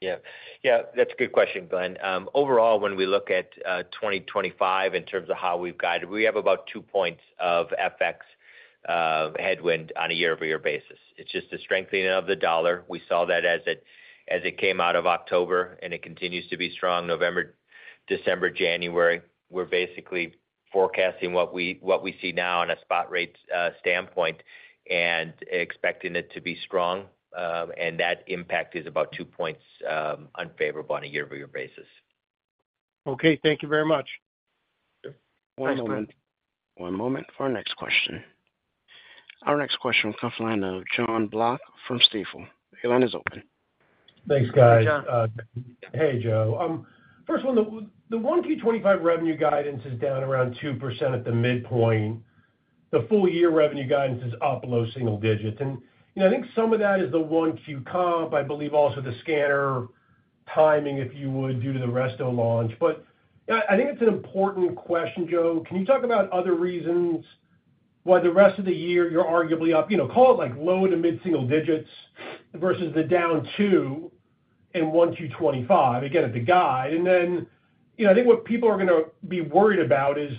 2025. Yeah. Yeah. That's a good question, Glen. Overall, when we look at 2025 in terms of how we've guided, we have about two points of FX headwind on a year-over-year basis. It's just the strengthening of the dollar. We saw that as it came out of October, and it continues to be strong November, December, January. We're basically forecasting what we see now on a spot rate standpoint and expecting it to be strong. That impact is about two points unfavorable on a year-over-year basis. Okay. Thank you very much. One moment. One moment for our next question. Our next question will come from John Block from Stifel. Your line is open. Thanks, guys. Hey, Joe. First one, the 1Q25 revenue guidance is down around 2% at the midpoint. The full-year revenue guidance is up low single digits. And I think some of that is the 1Q comp, I believe also the scanner timing, if you would, due to the Resto launch. But I think it's an important question, Joe. Can you talk about other reasons why the rest of the year you're arguably up, call it low to mid-single digits versus the down 2% in 1Q25, again, at the guide? And then I think what people are going to be worried about is,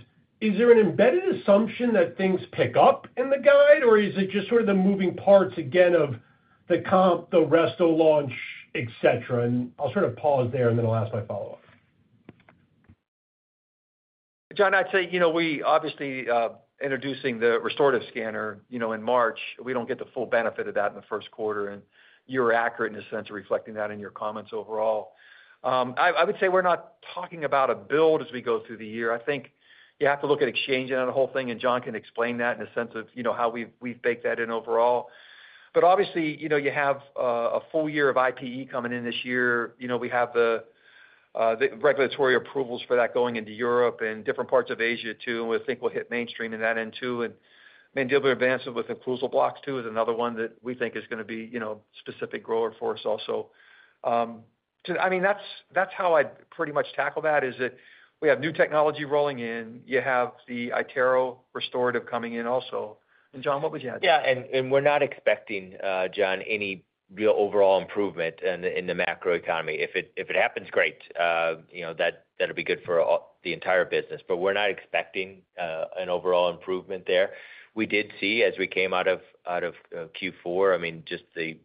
is there an embedded assumption that things pick up in the guide, or is it just sort of the moving parts again of the comp, the Resto launch, etc.? And I'll sort of pause there, and then I'll ask my follow-up. John, I'd say we obviously introducing the restorative scanner in March. We don't get the full benefit of that in the first quarter. And you're accurate in a sense of reflecting that in your comments overall. I would say we're not talking about a build as we go through the year. I think you have to look at exchange and that whole thing. And John can explain that in the sense of how we've baked that in overall. But obviously, you have a full year of IPE coming in this year. We have the regulatory approvals for that going into Europe and different parts of Asia too, and we think we'll hit mainstream in that end too. And mandibular advancement with occlusal blocks too is another one that we think is going to be a specific grower for us also. I mean, that's how I'd pretty much tackle that, is that we have new technology rolling in. You have the iTero Restorative coming in also. And John, what would you add to that? Yeah. And we're not expecting, John, any real overall improvement in the macro economy. If it happens, great. That'll be good for the entire business. But we're not expecting an overall improvement there. We did see as we came out of Q4, I mean, just the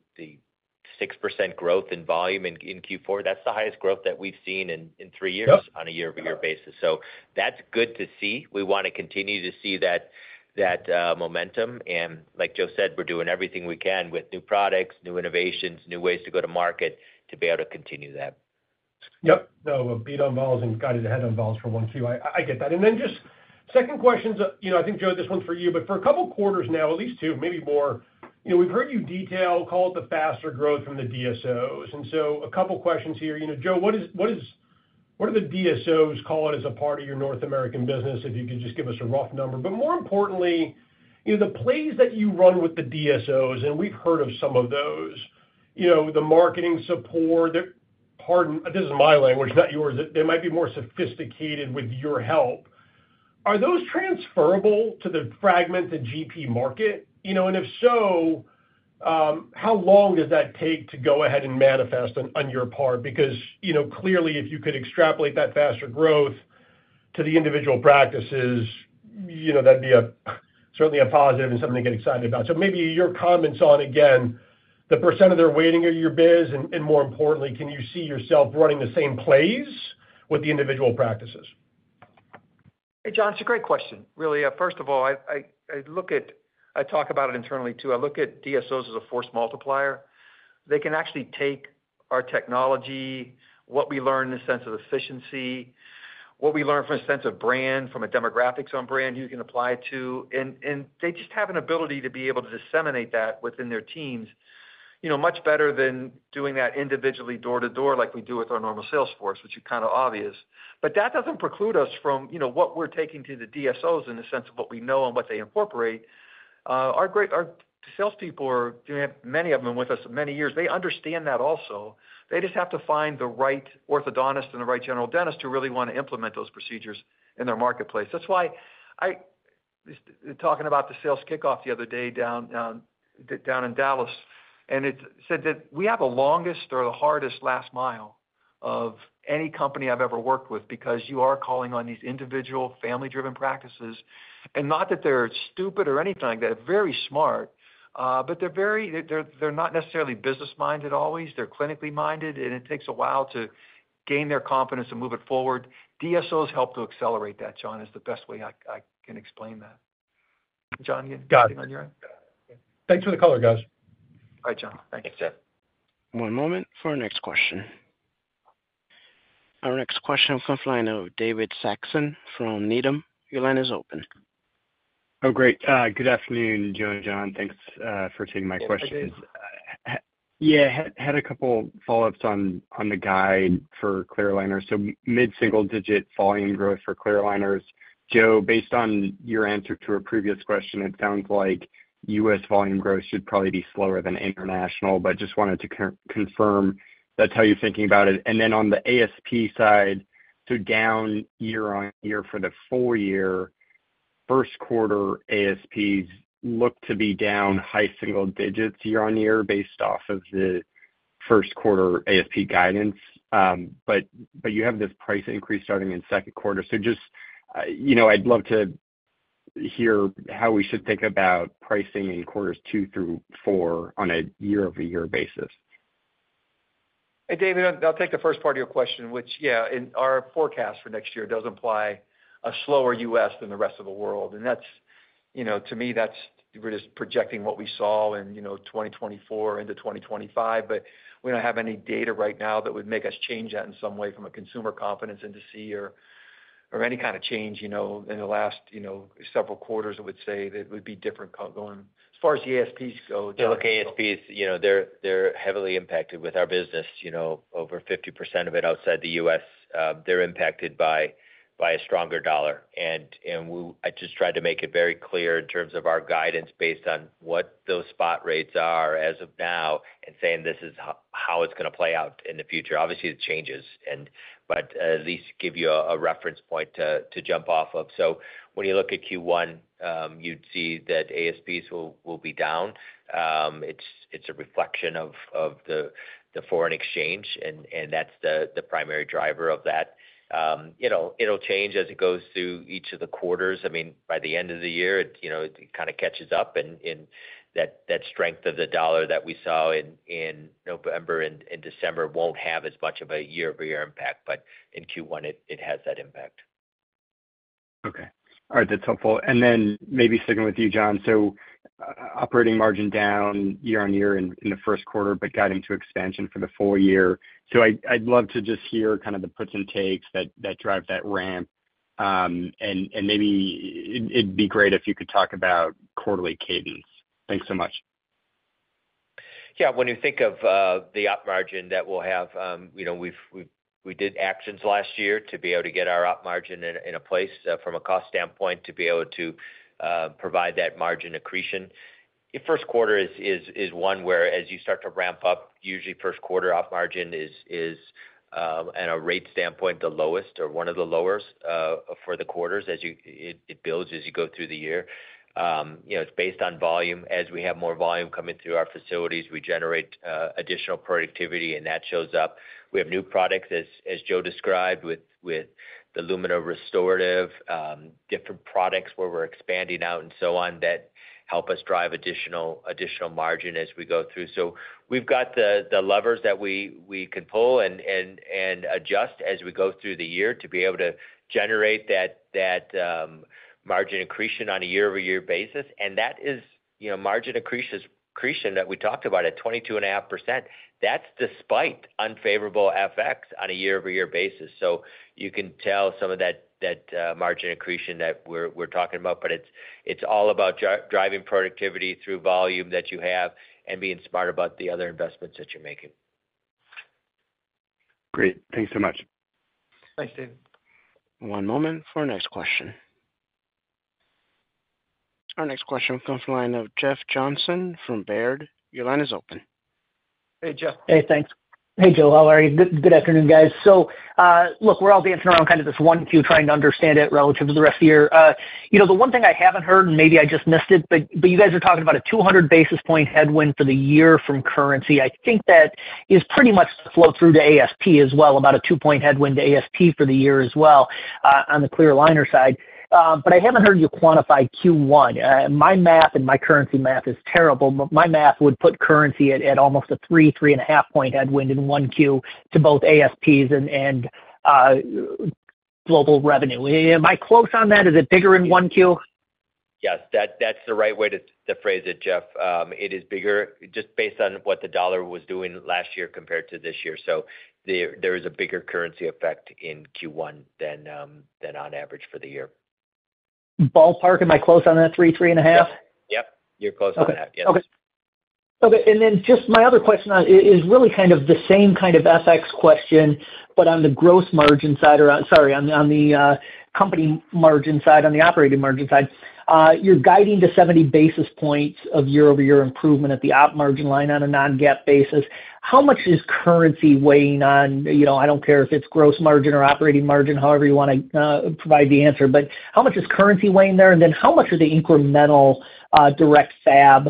6% growth in volume in Q4. That's the highest growth that we've seen in three years on a year-over-year basis. So that's good to see. We want to continue to see that momentum. And like Joe said, we're doing everything we can with new products, new innovations, new ways to go to market to be able to continue that. Yep. No, we'll beat on EPS and guide it ahead on EPS for Q1. I get that. And then just second question. I think, Joe, this one's for you, but for a couple of quarters now, at least two, maybe more. We've heard you detail, call it the faster growth from the DSOs, and so a couple of questions here. Joe, what does the DSOs call it as a part of your North American business, if you could just give us a rough number, but more importantly, the plays that you run with the DSOs, and we've heard of some of those, the marketing support, pardon, this is my language, not yours. They might be more sophisticated with your help. Are those transferable to the fragmented GP market, and if so, how long does that take to go ahead and manifest on your part? Because clearly, if you could extrapolate that faster growth to the individual practices, that'd be certainly a positive and something to get excited about. So maybe your comments on, again, the percentage of their weighting of your biz, and more importantly, can you see yourself running the same plays with the individual practices? Hey, John, it's a great question. Really, first of all, I talk about it internally too. I look at DSOs as a force multiplier. They can actually take our technology, what we learn in the sense of efficiency, what we learn from the sense of brand, from a demographic standpoint on brand you can apply to. And they just have an ability to be able to disseminate that within their teams much better than doing that individually door-to-door like we do with our normal sales force, which is kind of obvious. But that doesn't preclude us from what we're taking to the DSOs in the sense of what we know and what they incorporate. Our salespeople, many of them with us for many years, they understand that also. They just have to find the right orthodontist and the right general dentist who really want to implement those procedures in their marketplace. That's why I was talking about the sales kickoff the other day down in Dallas. And it said that we have the longest or the hardest last mile of any company I've ever worked with because you are calling on these individual family-driven practices. And not that they're stupid or anything like that. They're very smart, but they're not necessarily business-minded always. They're clinically minded, and it takes a while to gain their confidence and move it forward. DSOs help to accelerate that, John, is the best way I can explain that. John, you have anything on your end? Got it. Thanks for the color, guys. All right, John. Thanks. Thanks, John. One moment for our next question. Our next question will come from David Saxon from Needham. Your line is open. Oh, great. Good afternoon, Joe and John. Thanks for taking my question. Yeah. Had a couple of follow-ups on the guidance for Clear Aligners. So mid-single digit volume growth for Clear Aligners. Joe, based on your answer to a previous question, it sounds like U.S. volume growth should probably be slower than international, but just wanted to confirm that's how you're thinking about it. And then on the ASP side, so down year-on-year for the full year, first quarter ASPs look to be down high single digits year-on-year based off of the first quarter ASP guidance. But you have this price increase starting in Q2. So just I'd love to hear how we should think about pricing in Q2 through Q4 on a year-over-year basis. Hey, David, I'll take the first part of your question, which, yeah, our forecast for next year does imply a slower U..S. than the rest of the world. And to me, we're just projecting what we saw in 2024 into 2025. But we don't have any data right now that would make us change that in some way from a consumer confidence industry or any kind of change in the last several quarters, I would say, that would be different going. As far as the ASPs go, John. Yeah. Look, ASPs, they're heavily impacted with our business. Over 50% of it outside the U.S., they're impacted by a stronger dollar. And I just tried to make it very clear in terms of our guidance based on what those spot rates are as of now and saying this is how it's going to play out in the future. Obviously, it changes, but at least give you a reference point to jump off of. So when you look at Q1, you'd see that ASPs will be down. It's a reflection of the foreign exchange, and that's the primary driver of that. It'll change as it goes through each of the quarters. I mean, by the end of the year, it kind of catches up. And that strength of the dollar that we saw in November and December won't have as much of a year-over-year impact, but in Q1, it has that impact. Okay. All right. That's helpful. And then maybe sticking with you, John. So operating margin down year-on-year in Q1, but guiding to expansion for the full year. So I'd love to just hear kind of the puts and takes that drive that ramp. And maybe it'd be great if you could talk about quarterly cadence. Thanks so much. Yeah. When you think of the op margin that we'll have, we did actions last year to be able to get our op margin in a place from a cost standpoint to be able to provide that margin accretion. Q1 is one where, as you start to ramp up, usually Q1 op margin is, on a rate standpoint, the lowest or one of the lower for the quarters as it builds as you go through the year. It's based on volume. As we have more volume coming through our facilities, we generate additional productivity, and that shows up. We have new products, as Joe described, with the Lumina restorative, different products where we're expanding out and so on that help us drive additional margin as we go through. So we've got the levers that we can pull and adjust as we go through the year to be able to generate that margin accretion on a year-over-year basis. And that is margin accretion that we talked about at 22.5%. That's despite unfavorable FX on a year-over-year basis. So you can tell some of that margin accretion that we're talking about, but it's all about driving productivity through volume that you have and being smart about the other investments that you're making. Great. Thanks so much. Thanks, David. One moment for our next question. Our next question will come from the line of Jeff Johnson from Baird. Your line is open. Hey, Jeff. Hey, thanks. Hey, Joe. How are you? Good afternoon, guys. So look, we're all dancing around kind of this 1Q, trying to understand it relative to the rest of the year. The one thing I haven't heard, and maybe I just missed it, but you guys are talking about a 200 basis point headwind for the year from currency. I think that is pretty much the flow through to ASP as well, about a two-point headwind to ASP for the year as well on the Clear Aligner side. But I haven't heard you quantify Q1. My math and my currency math is terrible, but my math would put currency at almost a three, three-and-a-half-point headwind in Q1 to both ASPs and global revenue. Am I close on that? Is it bigger in Q1? Yes. That's the right way to phrase it, Jeff. It is bigger just based on what the dollar was doing last year compared to this year. So there is a bigger currency effect in Q1 than on average for the year. Ballpark? Am I close on that three, three-and-a-half? Yep. Yep. You're close on that. Yes. Okay. Okay. And then just my other question is really kind of the same kind of FX question, but on the gross margin side or sorry, on the company margin side, on the operating margin side. You're guiding to 70 basis points of year-over-year improvement at the op margin line on a non-GAAP basis. How much is currency weighing on? I don't care if it's gross margin or operating margin, however you want to provide the answer, but how much is currency weighing there? And then how much are the incremental direct fab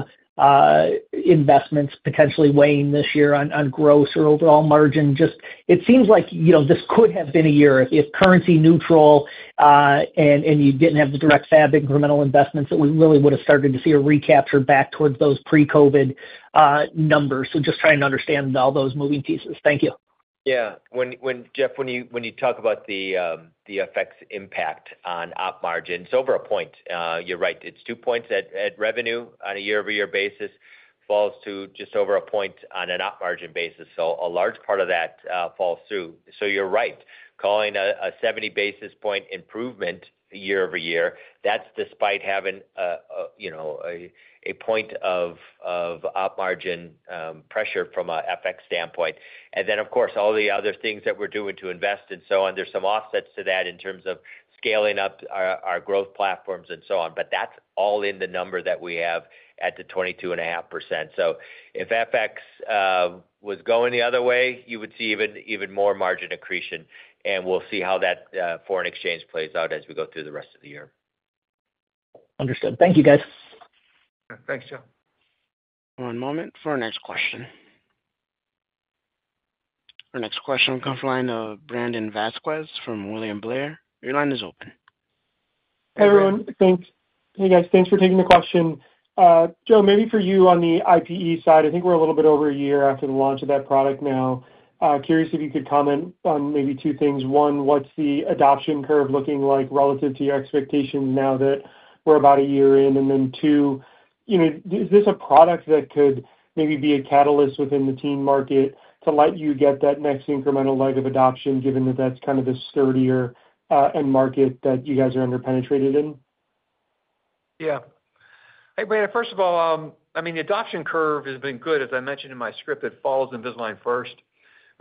investments potentially weighing this year on gross or overall margin? Just, it seems like this could have been a year if currency neutral and you didn't have the direct FAB incremental investments, that we really would have started to see a recapture back towards those pre-COVID numbers. So just trying to understand all those moving pieces. Thank you. Yeah. Jeff, when you talk about the FX impact on op margin, it's over a point. You're right. It's two points at revenue on a year-over-year basis, falls to just over a point on an op margin basis. So a large part of that falls through. So you're right. Calling a 70 basis point improvement year-over-year, that's despite having a point of op margin pressure from an FX standpoint. And then, of course, all the other things that we're doing to invest and so on, there's some offsets to that in terms of scaling up our growth platforms and so on. But that's all in the number that we have at the 22.5%. So if FX was going the other way, you would see even more margin accretion. And we'll see how that foreign exchange plays out as we go through the rest of the year. Understood. Thank you, guys. Thanks, Joe. One moment for our next question. Our next question will come from the line of Brandon Vazquez from William Blair. Your line is open. Hey, everyone. Thanks. Hey, guys. Thanks for taking the question. Joe, maybe for you on the IPE side, I think we're a little bit over a year after the launch of that product now. Curious if you could comment on maybe two things. One, what's the adoption curve looking like relative to your expectations now that we're about a year in? And then two, is this a product that could maybe be a catalyst within the teen market to let you get that next incremental leg of adoption, given that that's kind of the sturdier end market that you guys are under penetrated in? Yeah. Hey, Brandon, first of all, I mean, the adoption curve has been good. As I mentioned in my script, it falls in Invisalign First.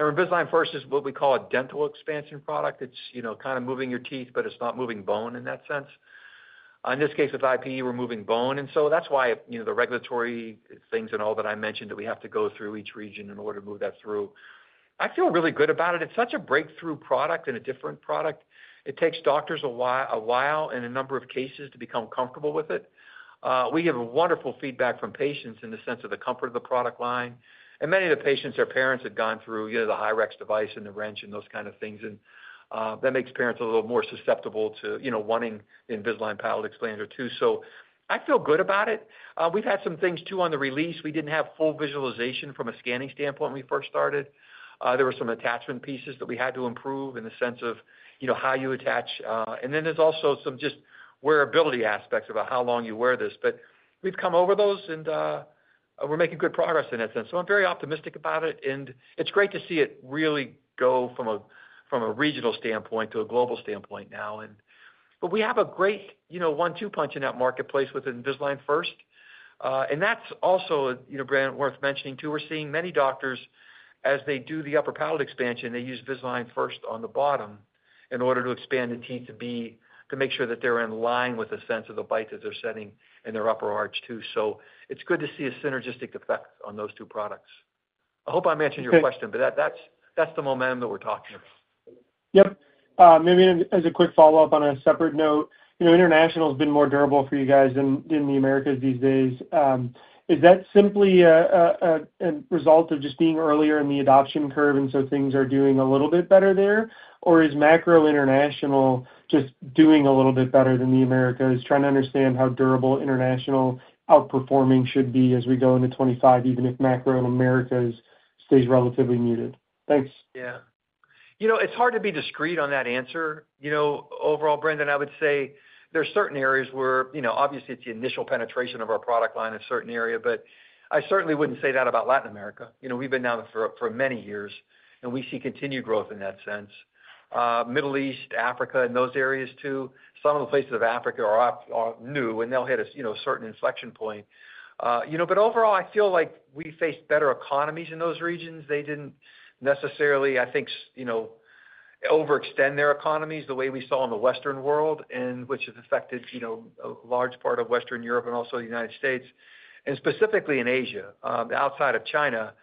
And Invisalign First is what we call a dental expansion product. It's kind of moving your teeth, but it's not moving bone in that sense. In this case, with IPE, we're moving bone. And so that's why the regulatory things and all that I mentioned that we have to go through each region in order to move that through. I feel really good about it. It's such a breakthrough product and a different product. It takes doctors a while in a number of cases to become comfortable with it. We have wonderful feedback from patients in the sense of the comfort of the product line. And many of the patients or parents have gone through the Hyrax device and the wrench and those kind of things. And that makes parents a little more susceptible to wanting the Invisalign palate expander too. So I feel good about it. We've had some things too on the release. We didn't have full visualization from a scanning standpoint when we first started. There were some attachment pieces that we had to improve in the sense of how you attach. And then there's also some just wearability aspects about how long you wear this. But we've come over those, and we're making good progress in that sense. So I'm very optimistic about it. It's great to see it really go from a regional standpoint to a global standpoint now. But we have a great one-two punch in that marketplace with Invisalign First. And that's also, Brandon, worth mentioning too. We're seeing many doctors, as they do the upper palate expansion, they use Invisalign First on the bottom in order to expand the teeth to make sure that they're in line with the sense of the bite that they're setting in their upper arch too. So it's good to see a synergistic effect on those two products. I hope I'm answering your question, but that's the momentum that we're talking about. Yep. Maybe as a quick follow-up on a separate note, international has been more durable for you guys than the Americas these days. Is that simply a result of just being earlier in the adoption curve and so things are doing a little bit better there? Or is macro international just doing a little bit better than the Americas? Trying to understand how durable international outperforming should be as we go into 2025, even if macro in Americas stays relatively muted. Thanks. Yeah. It's hard to be discrete on that answer. Overall, Brandon, I would say there's certain areas where obviously it's the initial penetration of our product line in a certain area, but I certainly wouldn't say that about Latin America. We've been down for many years, and we see continued growth in that sense. Middle East, Africa, and those areas too. Some of the places of Africa are new, and they'll hit a certain inflection point. But overall, I feel like we face better economies in those regions. They didn't necessarily, I think, overextend their economies the way we saw in the Western world, which has affected a large part of Western Europe and also the United States, and specifically in Asia, outside of China,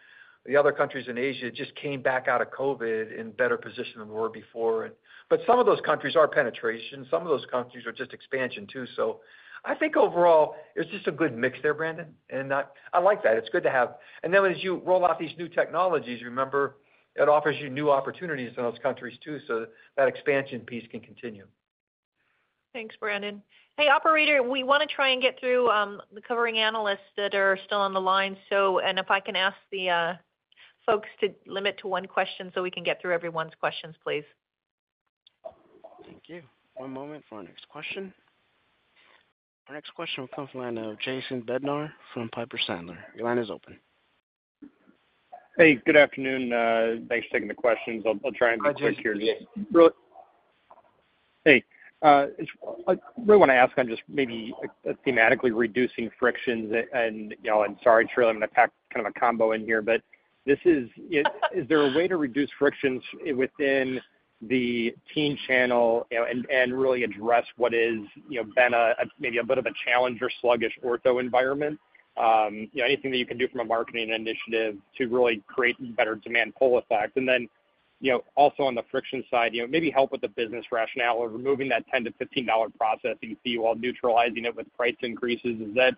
the other countries in Asia just came back out of COVID in better position than we were before, but some of those countries are penetration. Some of those countries are just expansion too, so I think overall, it's just a good mix there, Brandon, and I like that. It's good to have, and then as you roll out these new technologies, remember, it offers you new opportunities in those countries too so that expansion piece can continue. Thanks, Brandon. Hey, operator, we want to try and get through the covering analysts that are still on the line. And if I can ask the folks to limit to one question so we can get through everyone's questions, please. Thank you. One moment for our next question. Our next question will come from the line of Jason Bednar from Piper Sandler. Your line is open. Hey, good afternoon. Thanks for taking the questions. I'll try and be quick here. Hey. I really want to ask on just maybe thematically reducing frictions. And I'm sorry, Shirley, I'm going to pack kind of a combo in here, but is there a way to reduce frictions within the teen channel and really address what has been maybe a bit of a challenge or sluggish ortho environment? Anything that you can do from a marketing initiative to really create better demand pull effect? And then also on the friction side, maybe help with the business rationale of removing that $10-15 processing fee while neutralizing it with price increases. Has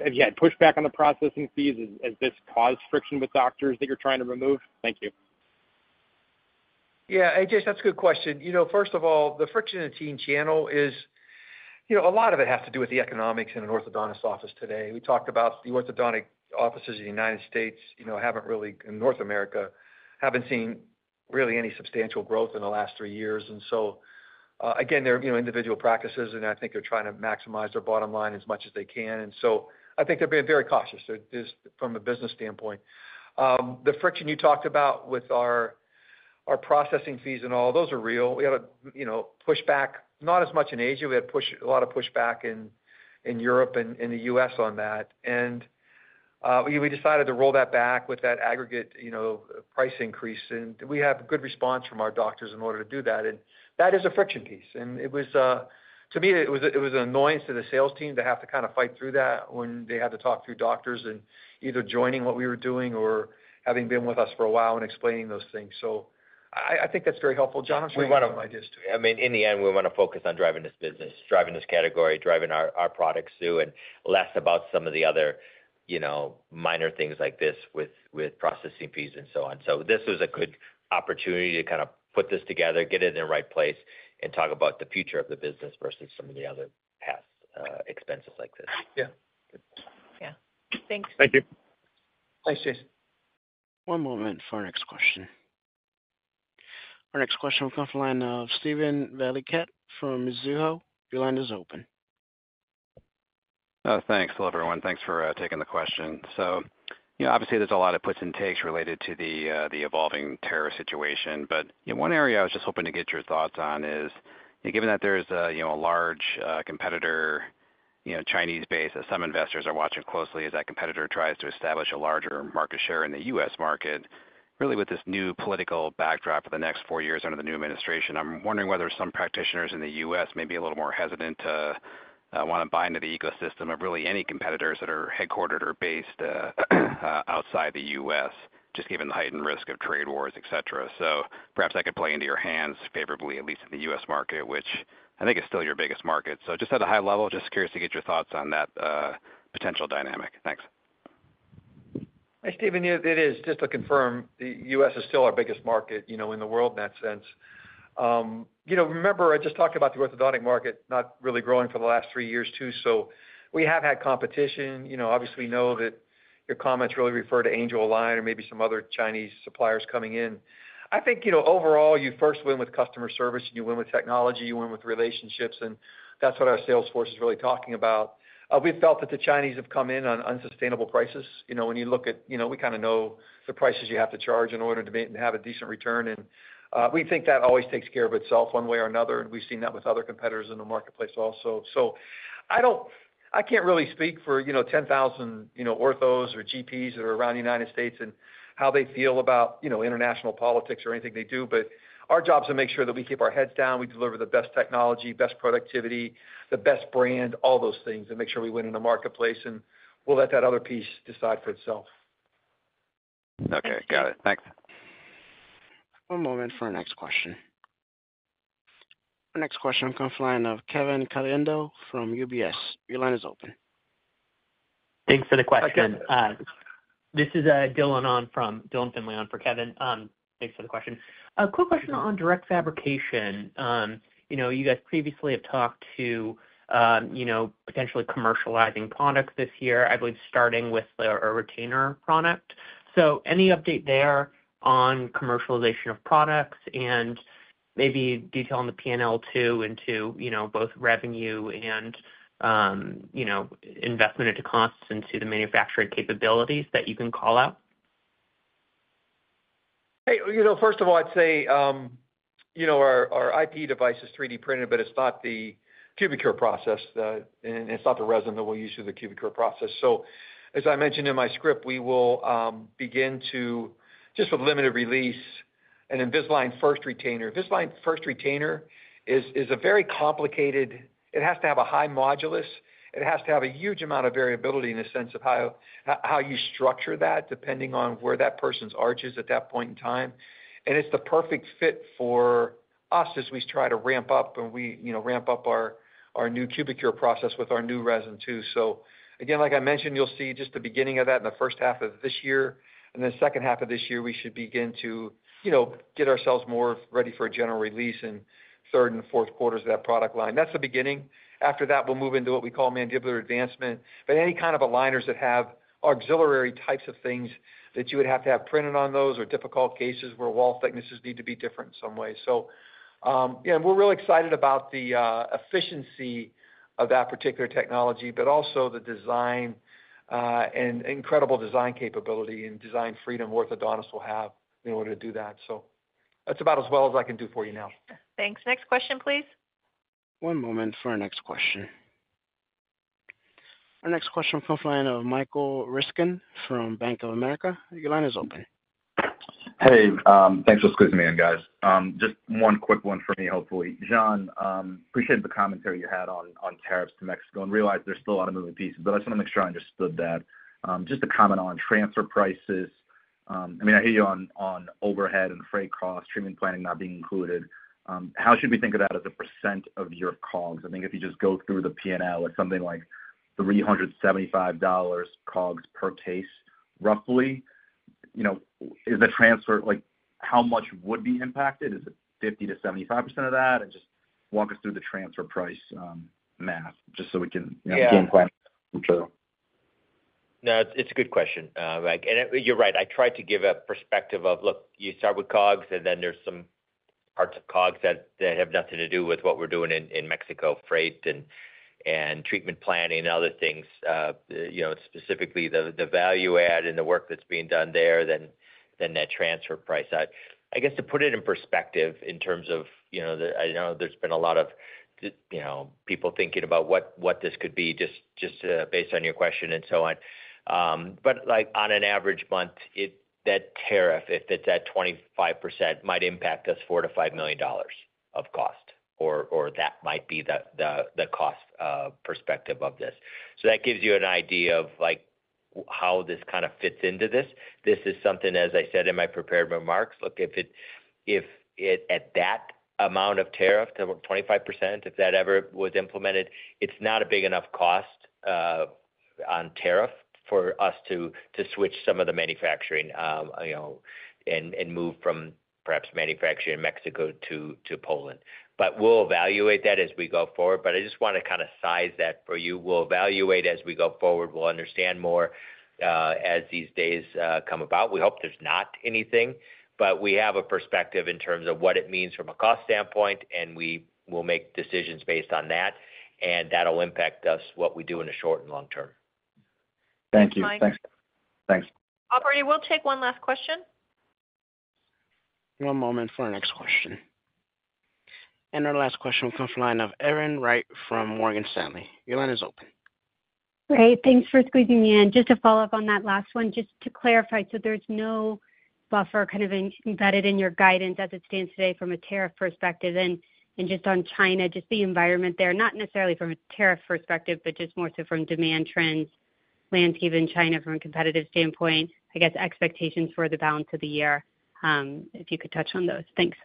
that pushed back on the processing fees? Has this caused friction with doctors that you're trying to remove? Thank you. Yeah. Hey, Jason, that's a good question. First of all, the friction in the teen channel is a lot of it has to do with the economics in an orthodontist's office today. We talked about the orthodontic offices in the United States haven't really, in North America, seen really any substantial growth in the last three years. And so again, they're individual practices, and I think they're trying to maximize their bottom line as much as they can. And so I think they're being very cautious from a business standpoint. The friction you talked about with our processing fees and all, those are real. We had a pushback, not as much in Asia. We had a lot of pushback in Europe and the U.S. on that. And we decided to roll that back with that aggregate price increase. And we have good response from our doctors in order to do that. And that is a friction piece. And to me, it was an annoyance to the sales team to have to kind of fight through that when they had to talk through doctors and either joining what we were doing or having been with us for a while and explaining those things. So I think that's very helpful. John, I'm sure you have an idea too. I mean, in the end, we want to focus on driving this business, driving this category, driving our products through, and less about some of the other minor things like this with processing fees and so on. So this was a good opportunity to kind of put this together, get it in the right place, and talk about the future of the business versus some of the other past expenses like this. Yeah. Yeah. Thanks. Thank you. Thanks, Jason. One moment for our next question. Our next question will come from Steven Valiquette from Barclays. Your line is open. Thanks, everyone. Thanks for taking the question. So obviously, there's a lot of puts and takes related to the evolving tariff situation. One area I was just hoping to get your thoughts on is, given that there's a large competitor, Chinese-based, that some investors are watching closely, as that competitor tries to establish a larger market share in the U.S. market, really with this new political backdrop for the next four years under the new administration, I'm wondering whether some practitioners in the U.S. may be a little more hesitant to want to buy into the ecosystem of really any competitors that are headquartered or based outside the U.S., just given the heightened risk of trade wars, etc. So perhaps that could play into your hands favorably, at least in the U.S. market, which I think is still your biggest market. So just at a high level, just curious to get your thoughts on that potential dynamic. Thanks. Hey, Steven, it is just to confirm, the U.S. is still our biggest market in the world in that sense. Remember, I just talked about the orthodontic market not really growing for the last three years too. So we have had competition. Obviously, we know that your comments really refer to AngelAlign or maybe some other Chinese suppliers coming in. I think overall, you first win with customer service, and you win with technology, you win with relationships. And that's what our sales force is really talking about. We've felt that the Chinese have come in on unsustainable prices. When you look at, we kind of know the prices you have to charge in order to have a decent return. And we think that always takes care of itself one way or another. And we've seen that with other competitors in the marketplace also. So I can't really speak for 10,000 orthos or GPs that are around the United States and how they feel about international politics or anything they do. But our job is to make sure that we keep our heads down, we deliver the best technology, best productivity, the best brand, all those things, and make sure we win in the marketplace. And we'll let that other piece decide for itself. Okay. Got it. Thanks. One moment for our next question. Our next question will come from Kevin Caliendo from UBS. Your line is open. Thanks for the question. This is Dylan Finlay on for Kevin. Thanks for the question. A quick question on direct fabrication. You guys previously have talked to potentially commercializing products this year, I believe starting with a retainer product. So any update there on commercialization of products and maybe detail on the P&L too into both revenue and investment into costs into the manufacturing capabilities that you can call out? Hey, first of all, I'd say our IPE device is 3D printed, but it's not the Cubicure process. It's not the resin that we'll use for the Cubicure process. As I mentioned in my script, we will begin just with limited release and Invisalign First Retainer. Invisalign First Retainer is a very complicated. It has to have a high modulus. It has to have a huge amount of variability in the sense of how you structure that depending on where that person's arch is at that point in time. It's the perfect fit for us as we try to ramp up and we ramp up our new Cubicure process with our new resin too. So again, like I mentioned, you'll see just the beginning of that in the first half of this year. And then the second half of this year, we should begin to get ourselves more ready for a general release in third and Q4s of that product line. That's the beginning. After that, we'll move into what we call mandibular advancement. But any kind of aligners that have auxiliary types of things that you would have to have printed on those or difficult cases where wall thicknesses need to be different in some ways. So yeah, we're really excited about the efficiency of that particular technology, but also the design and incredible design capability and design freedom orthodontists will have in order to do that. So that's about as well as I can do for you now. Thanks. Next question, please. One moment for our next question. Our next question will come from Michael Ryskin from Bank of America. Your line is open. Hey, thanks for scooting me in, guys. Just one quick one for me, hopefully. John, appreciate the commentary you had on tariffs to Mexico and realized there's still a lot of moving pieces, but I just want to make sure I understood that. Just to comment on transfer prices, I mean, I hear you on overhead and freight costs, treatment planning not being included. How should we think of that as a percent of your COGS? I think if you just go through the P&L, it's something like $375 COGS per case, roughly. Is the transfer how much would be impacted? Is it 50% to 75% of that? And just walk us through the transfer price math just so we can game plan. No, it's a good question. You're right. I tried to give a perspective of, look, you start with COGS, and then there's some parts of COGS that have nothing to do with what we're doing in Mexico, freight and treatment planning and other things, specifically the value add and the work that's being done there, then that transfer price. I guess to put it in perspective in terms of, I know there's been a lot of people thinking about what this could be just based on your question and so on. But on an average month, that tariff, if it's at 25%, might impact us $4 - 5 million of cost, or that might be the cost perspective of this. So that gives you an idea of how this kind of fits into this. This is something, as I said in my prepared remarks. Look, if at that amount of tariff, 25%, if that ever was implemented, it's not a big enough cost on tariff for us to switch some of the manufacturing and move from perhaps manufacturing in Mexico to Poland. But we'll evaluate that as we go forward. But I just want to kind of size that for you. We'll evaluate as we go forward. We'll understand more as these days come about. We hope there's not anything, but we have a perspective in terms of what it means from a cost standpoint, and we will make decisions based on that. And that'll impact us what we do in the short and long term. Thank you. Thanks. Operator, we'll take one last question. One moment for our next question. Our last question will come from the line of Erin Wright from Morgan Stanley. Your line is open. Great. Thanks for squeezing me in. Just to follow up on that last one, just to clarify, so there's no buffer kind of embedded in your guidance as it stands today from a tariff perspective and just on China, just the environment there, not necessarily from a tariff perspective, but just more so from demand trends, landscape in China from a competitive standpoint, I guess expectations for the balance of the year, if you could touch on those. Thanks.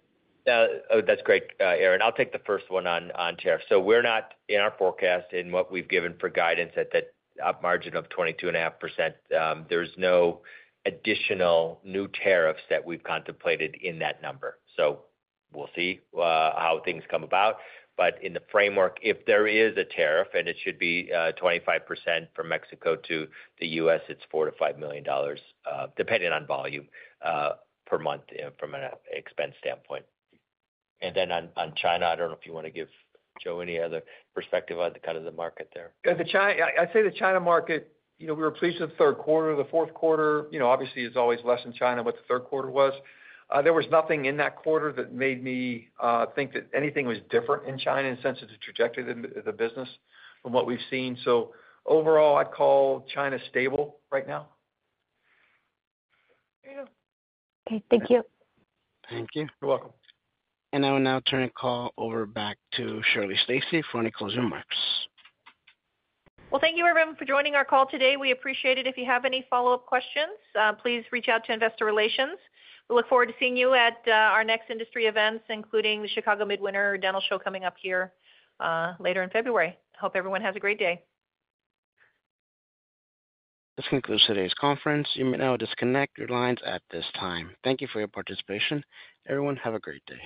Oh, that's great, Erin. I'll take the first one on tariff. We're not in our forecast and what we've given for guidance at that margin of 22.5%. There's no additional new tariffs that we've contemplated in that number. We'll see how things come about. But in the framework, if there is a tariff, and it should be 25% from Mexico to the U.S., it's $4-5 million, depending on volume per month from an expense standpoint. And then on China, I don't know if you want to give Joe any other perspective on kind of the market there. I'd say the China market, we were pleased with Q3. The Q4, obviously, is always less in China what Q3 was. There was nothing in that quarter that made me think that anything was different in China in terms of the trajectory of the business from what we've seen. So overall, I'd call China stable right now. Okay. Thank you. Thank you. You're welcome. And I will now turn the call over back to Shirley Stacy for any closing remarks. Well, thank you, everyone, for joining our call today. We appreciate it. If you have any follow-up questions, please reach out to Investor Relations. We look forward to seeing you at our next industry events, including the Chicago Midwinter Dental Show coming up here later in February. Hope everyone has a great day. This concludes today's conference. You may now disconnect your lines at this time. Thank you for your participation. Everyone, have a great day.